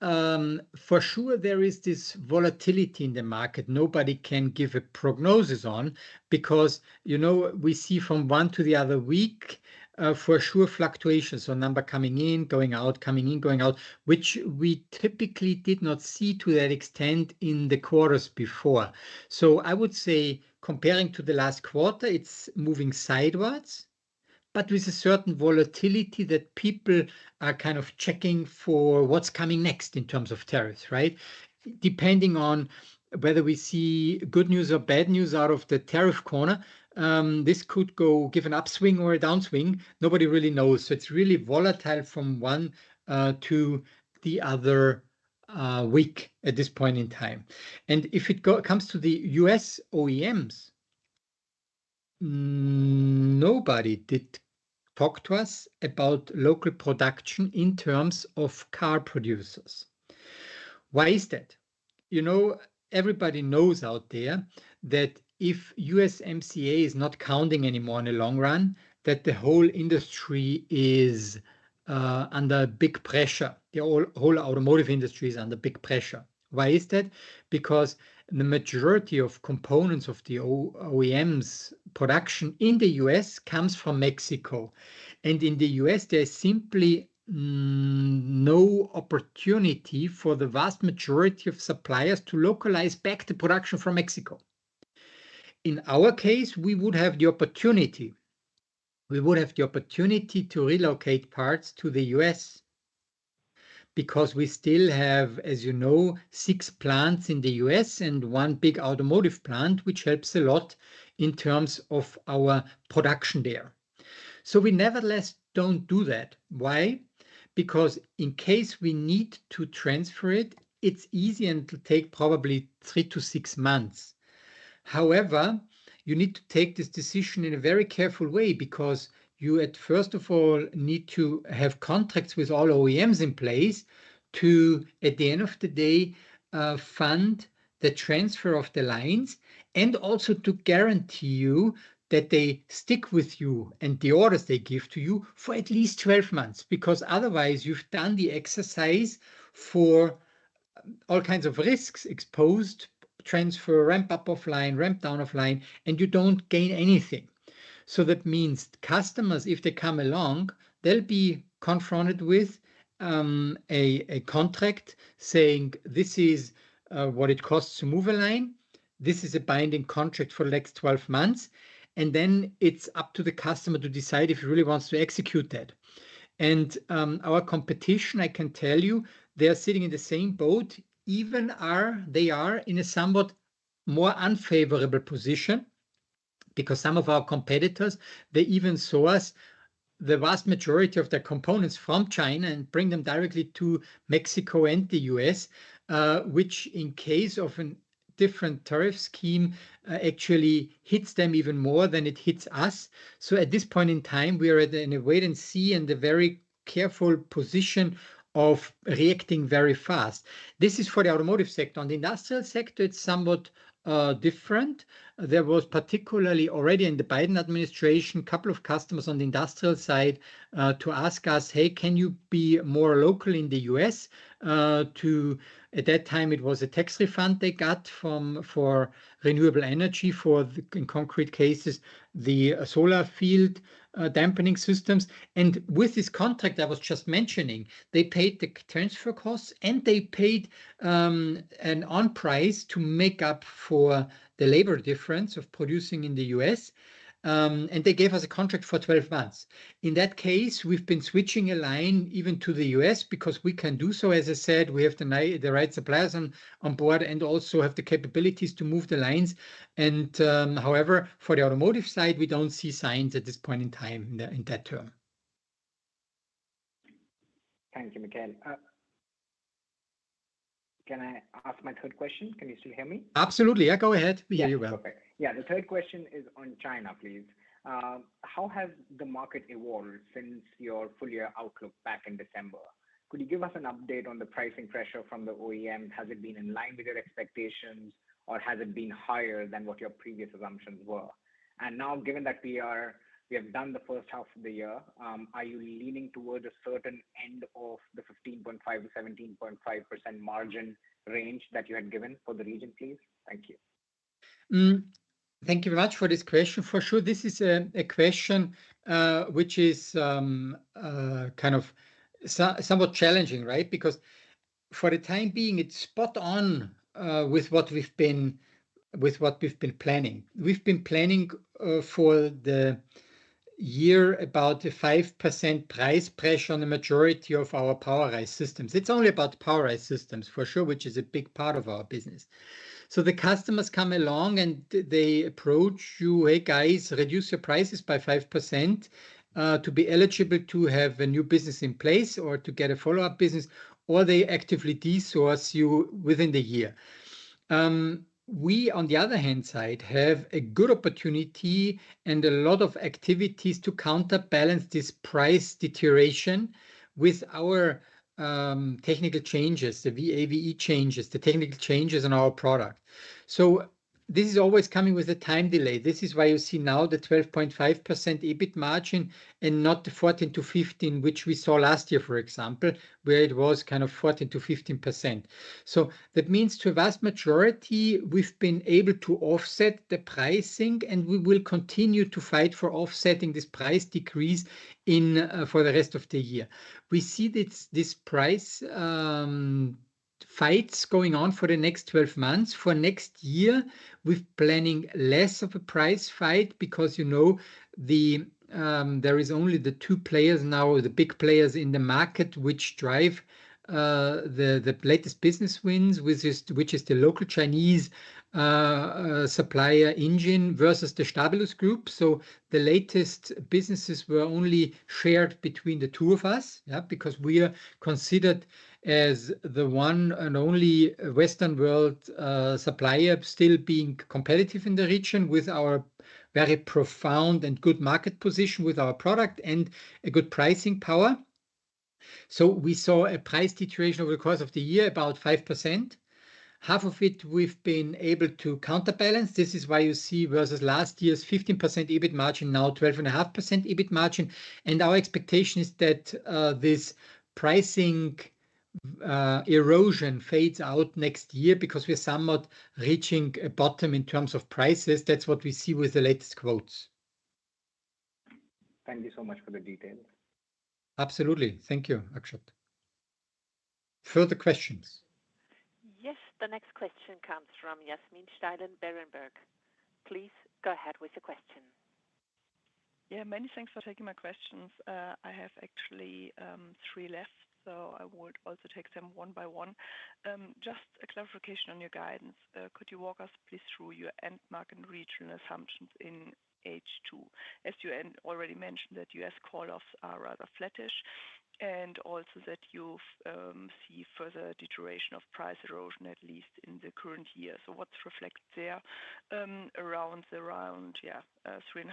For sure, there is this volatility in the market nobody can give a prognosis on because we see from one to the other week for sure fluctuations on number coming in, going out, coming in, going out, which we typically did not see to that extent in the quarters before. I would say comparing to the last quarter, it's moving sideways, but with a certain volatility that people are kind of checking for what's coming next in terms of tariffs, right? Depending on whether we see good news or bad news out of the tariff corner, this could give an upswing or a downswing. Nobody really knows. It's really volatile from one week to the other at this point in time. If it comes to the US OEMs, nobody did talk to us about local production in terms of car producers. Why is that? You know everybody knows out there that if USMCA is not counting anymore in the long run, that the whole industry is under big pressure. The whole automotive industry is under big pressure. Why is that? Because the majority of components of the OEMs' production in the US comes from Mexico. In the US, there is simply no opportunity for the vast majority of suppliers to localize back the production from Mexico. In our case, we would have the opportunity. We would have the opportunity to relocate parts to the US because we still have, as you know, six plants in the US and one big automotive plant, which helps a lot in terms of our production there. So we nevertheless don't do that. Why? Because in case we need to transfer it, it's easy and it'll take probably three to six months. However, you need to take this decision in a very careful way because you, first of all, need to have contracts with all OEMs in place to, at the end of the day, fund the transfer of the lines and also to guarantee you that they stick with you and the orders they give to you for at least 12 months because otherwise you've done the exercise for all kinds of risks exposed, transfer ramp-up offline, ramp-down offline, and you don't gain anything. That means customers, if they come along, they'll be confronted with a contract saying, "This is what it costs to move a line. This is a binding contract for the next 12 months." Then it's up to the customer to decide if he really wants to execute that. Our competition, I can tell you, they are sitting in the same boat, even though they are in a somewhat more unfavorable position because some of our competitors, they even source the vast majority of their components from China and bring them directly to Mexico and the US, which in case of a different tariff scheme actually hits them even more than it hits us. At this point in time, we are in a wait-and-see and a very careful position of reacting very fast. This is for the automotive sector. On the industrial sector, it's somewhat different. There was particularly already in the Biden administration, a couple of customers on the industrial side to ask us, "Hey, can you be more local in the US?" At that time, it was a tax refund they got for renewable energy for, in concrete cases, the solar field dampening systems. With this contract I was just mentioning, they paid the transfer costs and they paid an on-price to make up for the labor difference of producing in the US. They gave us a contract for 12 months. In that case, we've been switching a line even to the US because we can do so. As I said, we have the right suppliers on board and also have the capabilities to move the lines. However, for the automotive side, we don't see signs at this point in time in that term. Thank you, Michael. Can I ask my third question? Can you still hear me? Absolutely. Yeah, go ahead. We hear you well. Perfect. Yeah, the third question is on China, please. How has the market evolved since your full year outlook back in December? Could you give us an update on the pricing pressure from the OEM? Has it been in line with your expectations, or has it been higher than what your previous assumptions were? And now, given that we have done the first half of the year, are you leaning towards a certain end of the 15.5% to 17.5% margin range that you had given for the region, please? Thank you. Thank you very much for this question. For sure, this is a question which is somewhat challenging, right? Because for the time being, it's spot on with what we've been planning. We've been planning for the year about a 5% price pressure on the majority of our POWERISE systems. It's only about POWERISE systems for sure, which is a big part of our business. So the customers come along and they approach you, "Hey guys, reduce your prices by 5% to be eligible to have a new business in place or to get a follow-up business," or they actively desource you within the year. We, on the other hand, have a good opportunity and a lot of activities to counterbalance this price deterioration with our technical changes, the VAVE changes, the technical changes in our product. So this is always coming with a time delay. This is why you see now the 12.5% EBIT margin and not the 14% to 15%, which we saw last year, for example, where it was kind of 14% to 15%. So that means to a vast majority, we've been able to offset the pricing, and we will continue to fight for offsetting this price decrease for the rest of the year. We see these price fights going on for the next 12 months. For next year, we're planning less of a price fight because there are only the two players now, the big players in the market, which drive the latest business wins, which is the local Chinese supplier Anjun versus the Stabilus Group. The latest businesses were only shared between the two of us because we are considered as the one and only Western world supplier still being competitive in the region with our very profound and good market position with our product and a good pricing power. We saw a price deterioration over the course of the year, about 5%. Half of it we've been able to counterbalance. This is why you see versus last year's 15% EBIT margin, now 12.5% EBIT margin. Our expectation is that this pricing erosion fades out next year because we're somewhat reaching a bottom in terms of prices. That's what we see with the latest quotes. Thank you so much for the details. Absolutely. Thank you, Ashok. Further questions? Yes, the next question comes from Yasmin Steilen at Berenberg. Please go ahead with your question. Yeah, many thanks for taking my questions. I have actually three left, so I would also take them one by one. Just a clarification on your guidance. Could you walk us please through your end market and regional assumptions in H2? As you already mentioned, that US call-offs are rather flat and also that you see further deterioration of price erosion, at least in the current year. So what's reflected there around the, yeah, 3.5%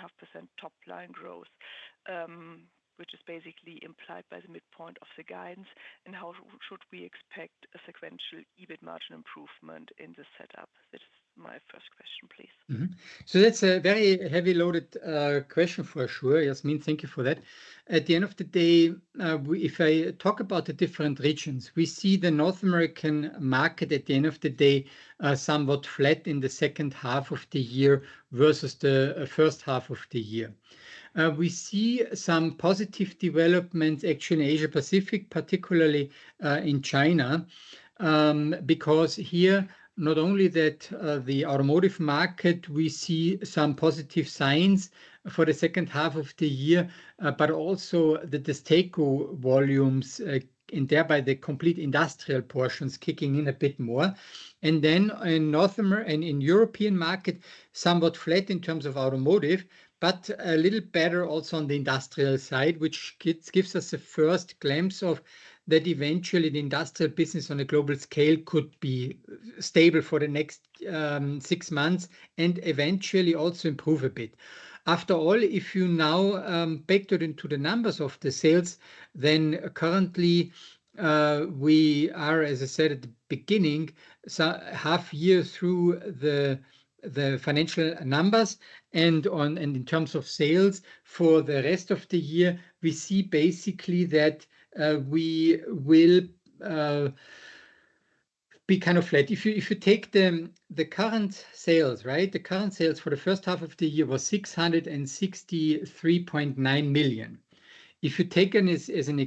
top line growth, which is basically implied by the midpoint of the guidance? And how should we expect a sequential EBIT margin improvement in the setup? That is my first question, please. That's a very heavy-loaded question for sure. Yasmin, thank you for that. At the end of the day, if I talk about the different regions, we see the North American market at the end of the day somewhat flat in the second half of the year versus the first half of the year. We see some positive developments actually in Asia-Pacific, particularly in China, because here, not only that the automotive market, we see some positive signs for the second half of the year, but also the disteco volumes and thereby the complete industrial portions kicking in a bit more. In North America and in the European market, somewhat flat in terms of automotive, but a little better also on the industrial side, which gives us a first glimpse of that eventually the industrial business on a global scale could be stable for the next six months and eventually also improve a bit. After all, if you now factor into the numbers of the sales, then currently we are, as I said at the beginning, half year through the financial numbers. In terms of sales for the rest of the year, we see basically that we will be kind of flat. If you take the current sales, the current sales for the first half of the year was $663.9 million. If you take it as an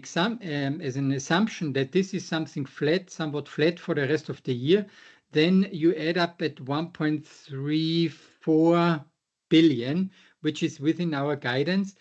assumption that this is something flat, somewhat flat for the rest of the year, then you end up at $1.34 billion, which is within our guidance.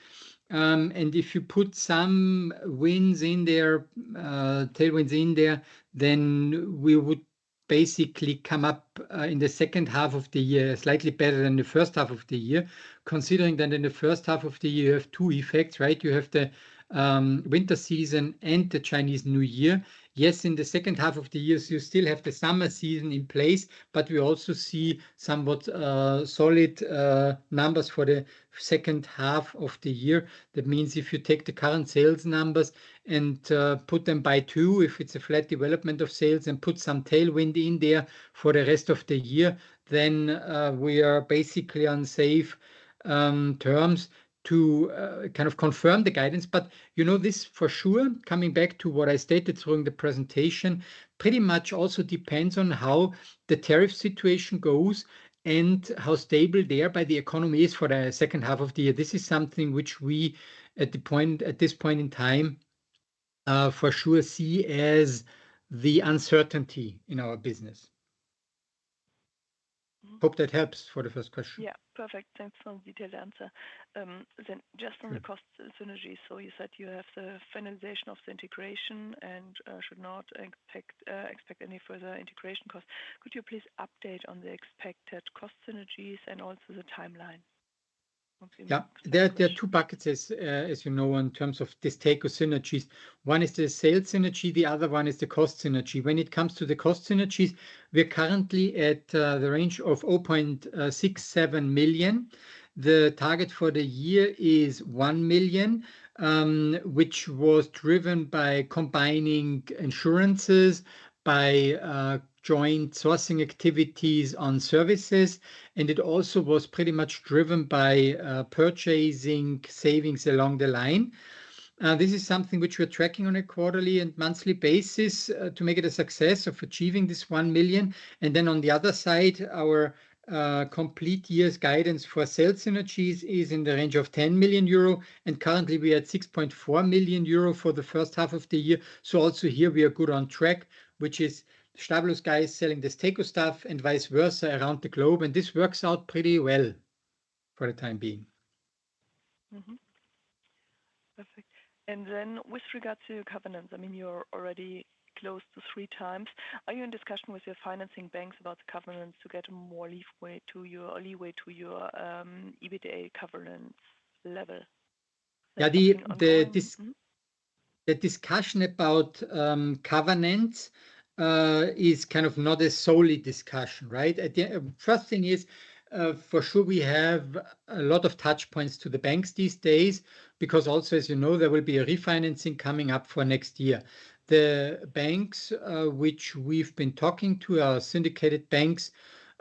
If you put some wins in there, tailwinds in there, then we would basically come up in the second half of the year slightly better than the first half of the year, considering that in the first half of the year, you have two effects, right? You have the winter season and the Chinese New Year. Yes, in the second half of the year, you still have the summer season in place, but we also see somewhat solid numbers for the second half of the year. That means if you take the current sales numbers and multiply them by two, if it's a flat development of sales and put some tailwind in there for the rest of the year, then we are basically on safe terms to kind of confirm the guidance. But you know this for sure, coming back to what I stated during the presentation, pretty much also depends on how the tariff situation goes and how stable thereby the economy is for the second half of the year. This is something which we at this point in time for sure see as the uncertainty in our business. Hope that helps for the first question. Yeah, perfect. Thanks for the detailed answer. Then just on the cost synergies, so you said you have the finalization of the integration and should not expect any further integration costs. Could you please update on the expected cost synergies and also the timeline? Yeah, there are two buckets, as you know, in terms of divestco synergies. One is the sales synergy. The other one is the cost synergy. When it comes to the cost synergies, we're currently at the range of €0.67 million. The target for the year is €1 million, which was driven by combining insurances, by joint sourcing activities on services, and it also was pretty much driven by purchasing savings along the line. This is something which we're tracking on a quarterly and monthly basis to make it a success of achieving this €1 million. And then on the other side, our complete year's guidance for sales synergies is in the range of €10 million. And currently, we are at €6.4 million for the first half of the year. Also here, we are good on track, which is Stabilus guys selling Desteco stuff and vice versa around the globe. This works out pretty well for the time being. Perfect. And then with regard to your covenants, I mean, you're already close to three times. Are you in discussion with your financing banks about the covenants to get more leeway to your EBITDA covenants level? Yeah, the discussion about covenants is kind of not a solid discussion, right? The first thing is for sure we have a lot of touch points to the banks these days because also, as you know, there will be a refinancing coming up for next year. The banks which we've been talking to are syndicated banks,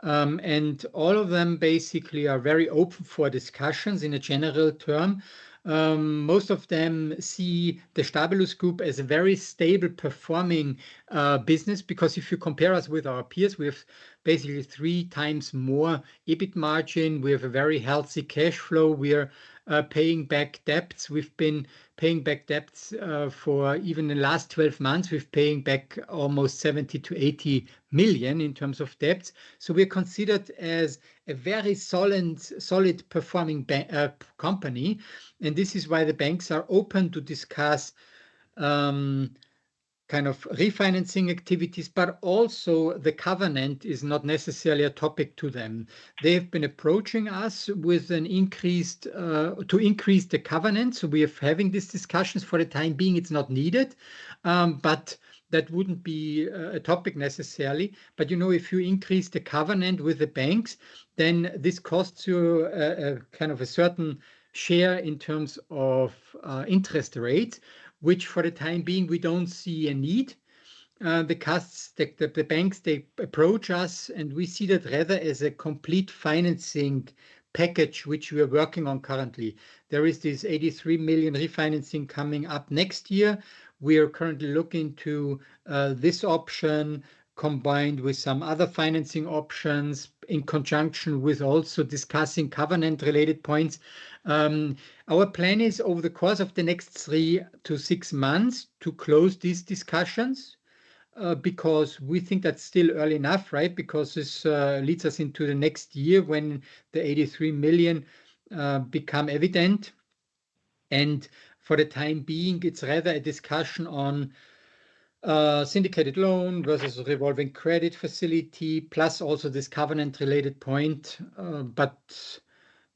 and all of them basically are very open for discussions in a general term. Most of them see the Stabilus Group as a very stable performing business because if you compare us with our peers, we have basically three times more EBIT margin. We have a very healthy cash flow. We are paying back debts. We've been paying back debts for even the last 12 months. We're paying back almost $70 to $80 million in terms of debts. So we're considered as a very solid performing company. This is why the banks are open to discuss refinancing activities, but also the covenant is not necessarily a topic to them. They have been approaching us to increase the covenant. So we are having these discussions for the time being. It's not needed, but that wouldn't be a topic necessarily. But you know if you increase the covenant with the banks, then this costs you a certain share in terms of interest rate, which for the time being, we don't see a need. The banks, they approach us, and we see that rather as a complete financing package, which we are working on currently. There is this $83 million refinancing coming up next year. We are currently looking to this option combined with some other financing options in conjunction with also discussing covenant-related points. Our plan is over the course of the next three to six months to close these discussions because we think that's still early enough, right? Because this leads us into the next year when the $83 million become evident. For the time being, it's rather a discussion on syndicated loan versus revolving credit facility, plus also this covenant-related point. But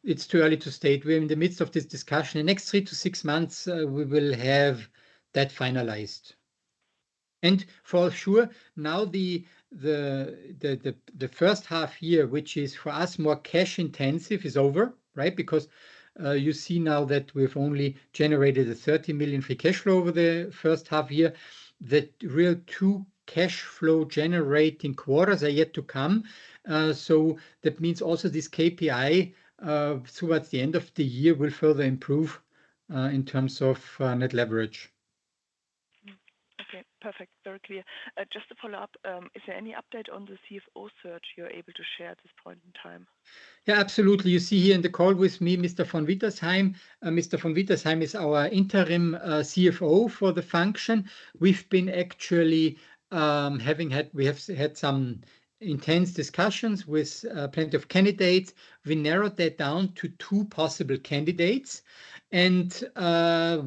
it's too early to state. We're in the midst of this discussion. In the next three to six months, we will have that finalized. For sure, now the first half year, which is for us more cash intensive, is over, right? Because you see now that we've only generated a $30 million free cash flow over the first half year. The real two cash flow generating quarters are yet to come. That means also this KPI towards the end of the year will further improve in terms of net leverage. Okay, perfect. Very clear. Just to follow up, is there any update on the CFO search you're able to share at this point in time? Yeah, absolutely. You see here in the call with me, Mr. von Wittesheim. Mr. von Wittesheim is our interim CFO for the function. We've been actually having had some intense discussions with plenty of candidates. We narrowed that down to two possible candidates. And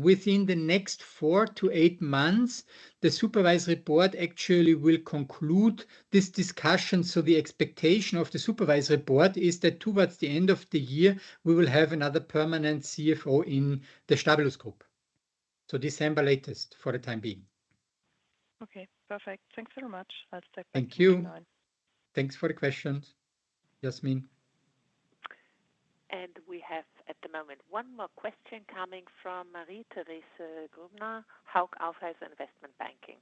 within the next four to eight months, the supervisory board actually will conclude this discussion. So the expectation of the supervisory board is that towards the end of the year, we will have another permanent CFO in the Stabilus Group. So December latest for the time being. Okay, perfect. Thanks very much. Thank you. Thanks for the questions, Yasmin. We have at the moment one more question coming from Marie Therese Grubner, Hauck Aufhäuser Investment Banking.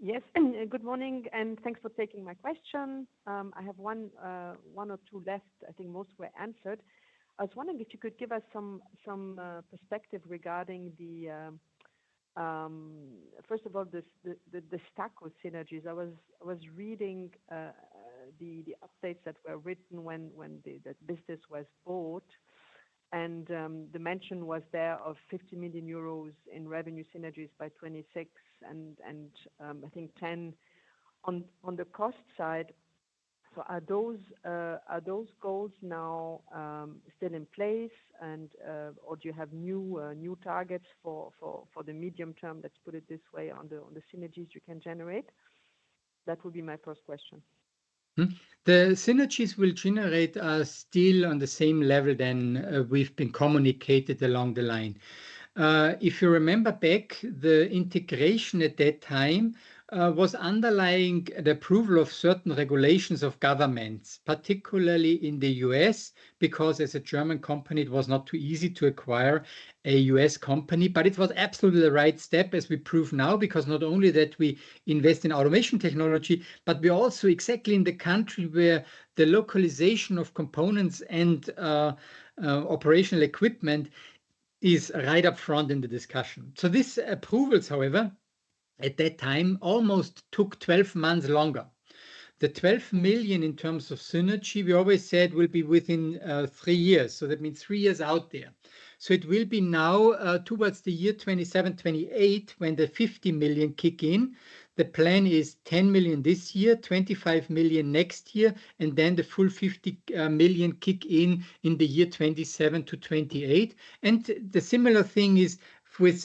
Yes, good morning and thanks for taking my question. I have one or two left. I think most were answered. I was wondering if you could give us some perspective regarding the, first of all, the stack of synergies. I was reading the updates that were written when the business was bought, and the mention was there of €50 million in revenue synergies by 2026 and I think €10 million on the cost side. So are those goals now still in place, or do you have new targets for the medium term? Let's put it this way: on the synergies you can generate? That would be my first question. The synergies we will generate are still on the same level that we've been communicating along the line. If you remember back, the integration at that time was underlying the approval of certain regulations of governments, particularly in the U.S., because as a German company, it was not too easy to acquire a U.S. company. But it was absolutely the right step, as we prove now, because not only do we invest in automation technology, but we are also exactly in the country where the localization of components and operational equipment is right up front in the discussion. So these approvals, however, at that time almost took 12 months longer. The $12 million in terms of synergy, we always said will be within three years. So that means three years out there. So it will be now towards the year 2027, 2028 when the $50 million kick in. The plan is $10 million this year, $25 million next year, and then the full $50 million kick in in the year 2027 to 2028. The similar thing is with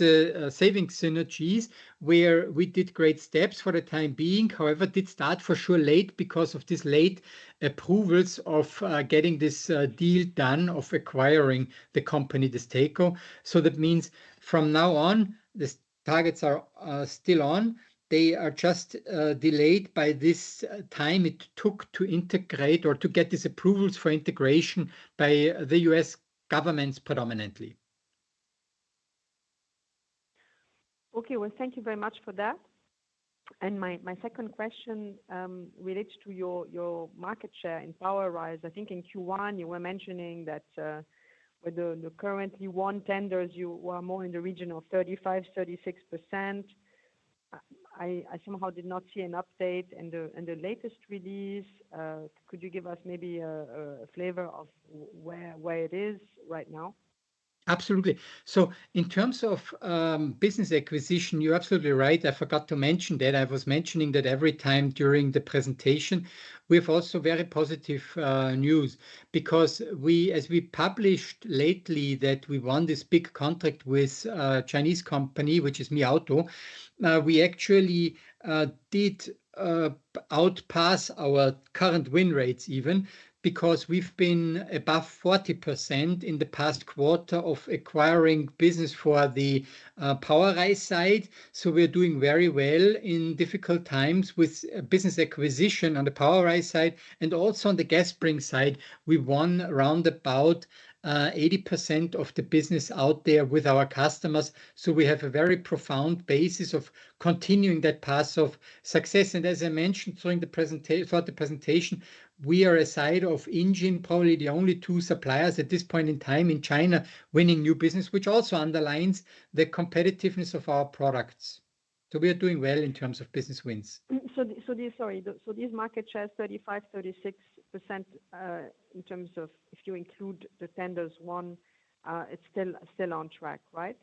savings synergies where we did great steps for the time being. However, it did start for sure late because of these late approvals of getting this deal done of acquiring the company Disteco. That means from now on, the targets are still on. They are just delayed by this time it took to integrate or to get these approvals for integration by the US governments predominantly. Okay, well, thank you very much for that. My second question relates to your market share in PowerRise. I think in Q1, you were mentioning that with the current tenders, you are more in the region of 35%, 36%. I somehow did not see an update in the latest release. Could you give us maybe a flavor of where it is right now? Absolutely. In terms of business acquisition, you're absolutely right. I forgot to mention that every time during the presentation, we have also very positive news because as we published lately that we won this big contract with a Chinese company, which is Mi Auto, we actually did outpass our current win rates even because we've been above 40% in the past quarter of acquiring business for the PowerRise side. We're doing very well in difficult times with business acquisition on the PowerRise side and also on Gas Spring side. We won around about 80% of the business out there with our customers. We have a very profound basis of continuing that path of success. As I mentioned throughout the presentation, we are a side of Anjun, probably the only two suppliers at this point in time in China winning new business, which also underlines the competitiveness of our products. We are doing well in terms of business wins. These market shares, 35%, 36% in terms of if you include the tenders won, it's still on track, right?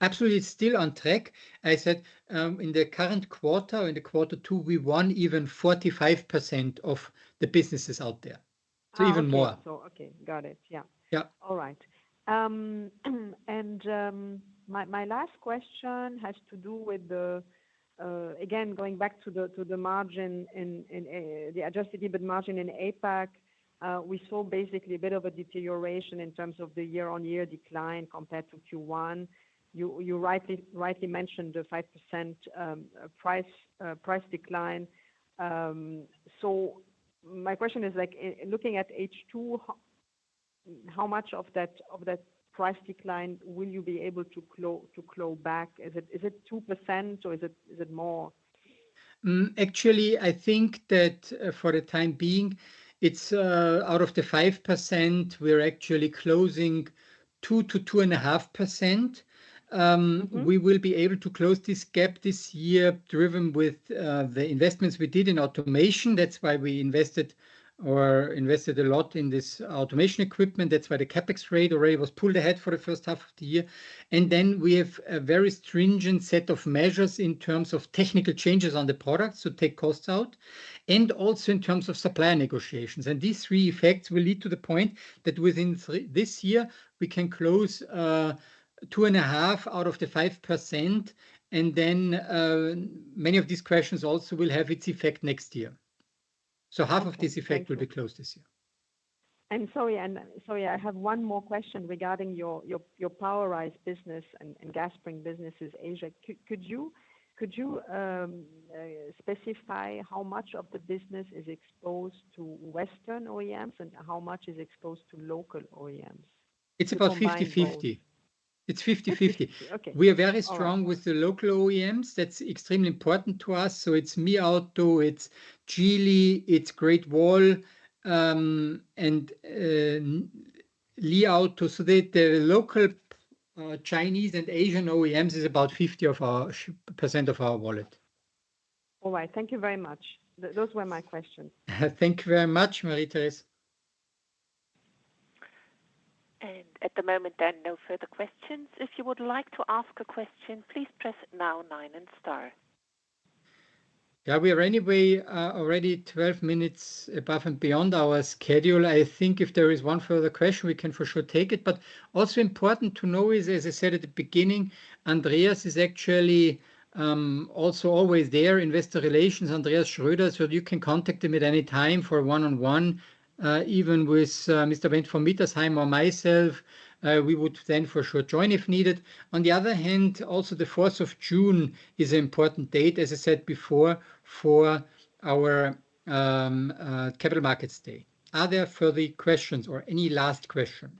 Absolutely. It's still on track. I said in the current quarter, in quarter two, we won even 45% of the businesses out there. So even more. Okay, got it. Yeah. All right. My last question has to do with, again, going back to the margin and the adjusted EBIT margin in APAC, we saw basically a bit of a deterioration in terms of the year-on-year decline compared to Q1. You rightly mentioned the 5% price decline. So my question is, looking at H2, how much of that price decline will you be able to claw back? Is it 2% or is it more? Actually, I think that for the time being, out of the 5%, we're actually closing 2% to 2.5%. We will be able to close this gap this year driven with the investments we did in automation. That's why we invested a lot in this automation equipment. That's why the CapEx rate already was pulled ahead for the first half of the year. We have a very stringent set of measures in terms of technical changes on the products to take costs out and also in terms of supplier negotiations. These three effects will lead to the point that within this year, we can close 2.5% out of the 5%. Many of these questions also will have its effect next year. So half of this effect will be closed this year. I'm sorry. I have one more question regarding your PowerRise business Gas Spring businesses, Asia. Could you specify how much of the business is exposed to Western OEMs and how much is exposed to local OEMs? It's about 50/50. It's 50/50. We are very strong with the local OEMs. That's extremely important to us. So it's Mi Auto, it's Geely, it's Great Wall, and Li Auto. So the local Chinese and Asian OEMs is about 50% of our wallet. All right. Thank you very much. Those were my questions. Thank you very much, Marie-Thérèse. At the moment, there are no further questions. If you would like to ask a question, please press nine and star now. Yeah, we are anyway already 12 minutes above and beyond our schedule. I think if there is one further question, we can for sure take it. But also important to know is, as I said at the beginning, Andreas is actually also always there, investor relations, Andreas Schröder. So you can contact him at any time for a one-on-one, even with Mr. von Wittesheim or myself. We would then for sure join if needed. On the other hand, also the 4th of June is an important date, as I said before, for our Capital Markets Day. Are there further questions or any last question?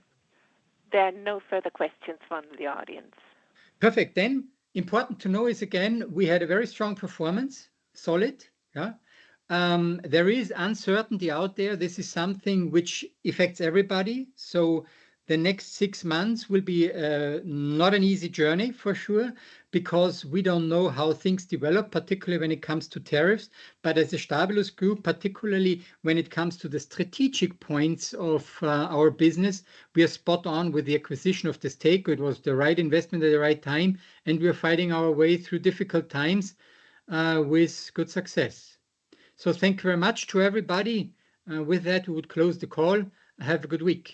There are no further questions from the audience. Perfect. Then important to know is, again, we had a very strong performance, solid. There is uncertainty out there. This is something which affects everybody. The next six months will be not an easy journey for sure because we don't know how things develop, particularly when it comes to tariffs. But as a Stabilus Group, particularly when it comes to the strategic points of our business, we are spot on with the acquisition of this takeaway. It was the right investment at the right time. We are fighting our way through difficult times with good success. Thank you very much to everybody. With that, we would close the call. Have a good week.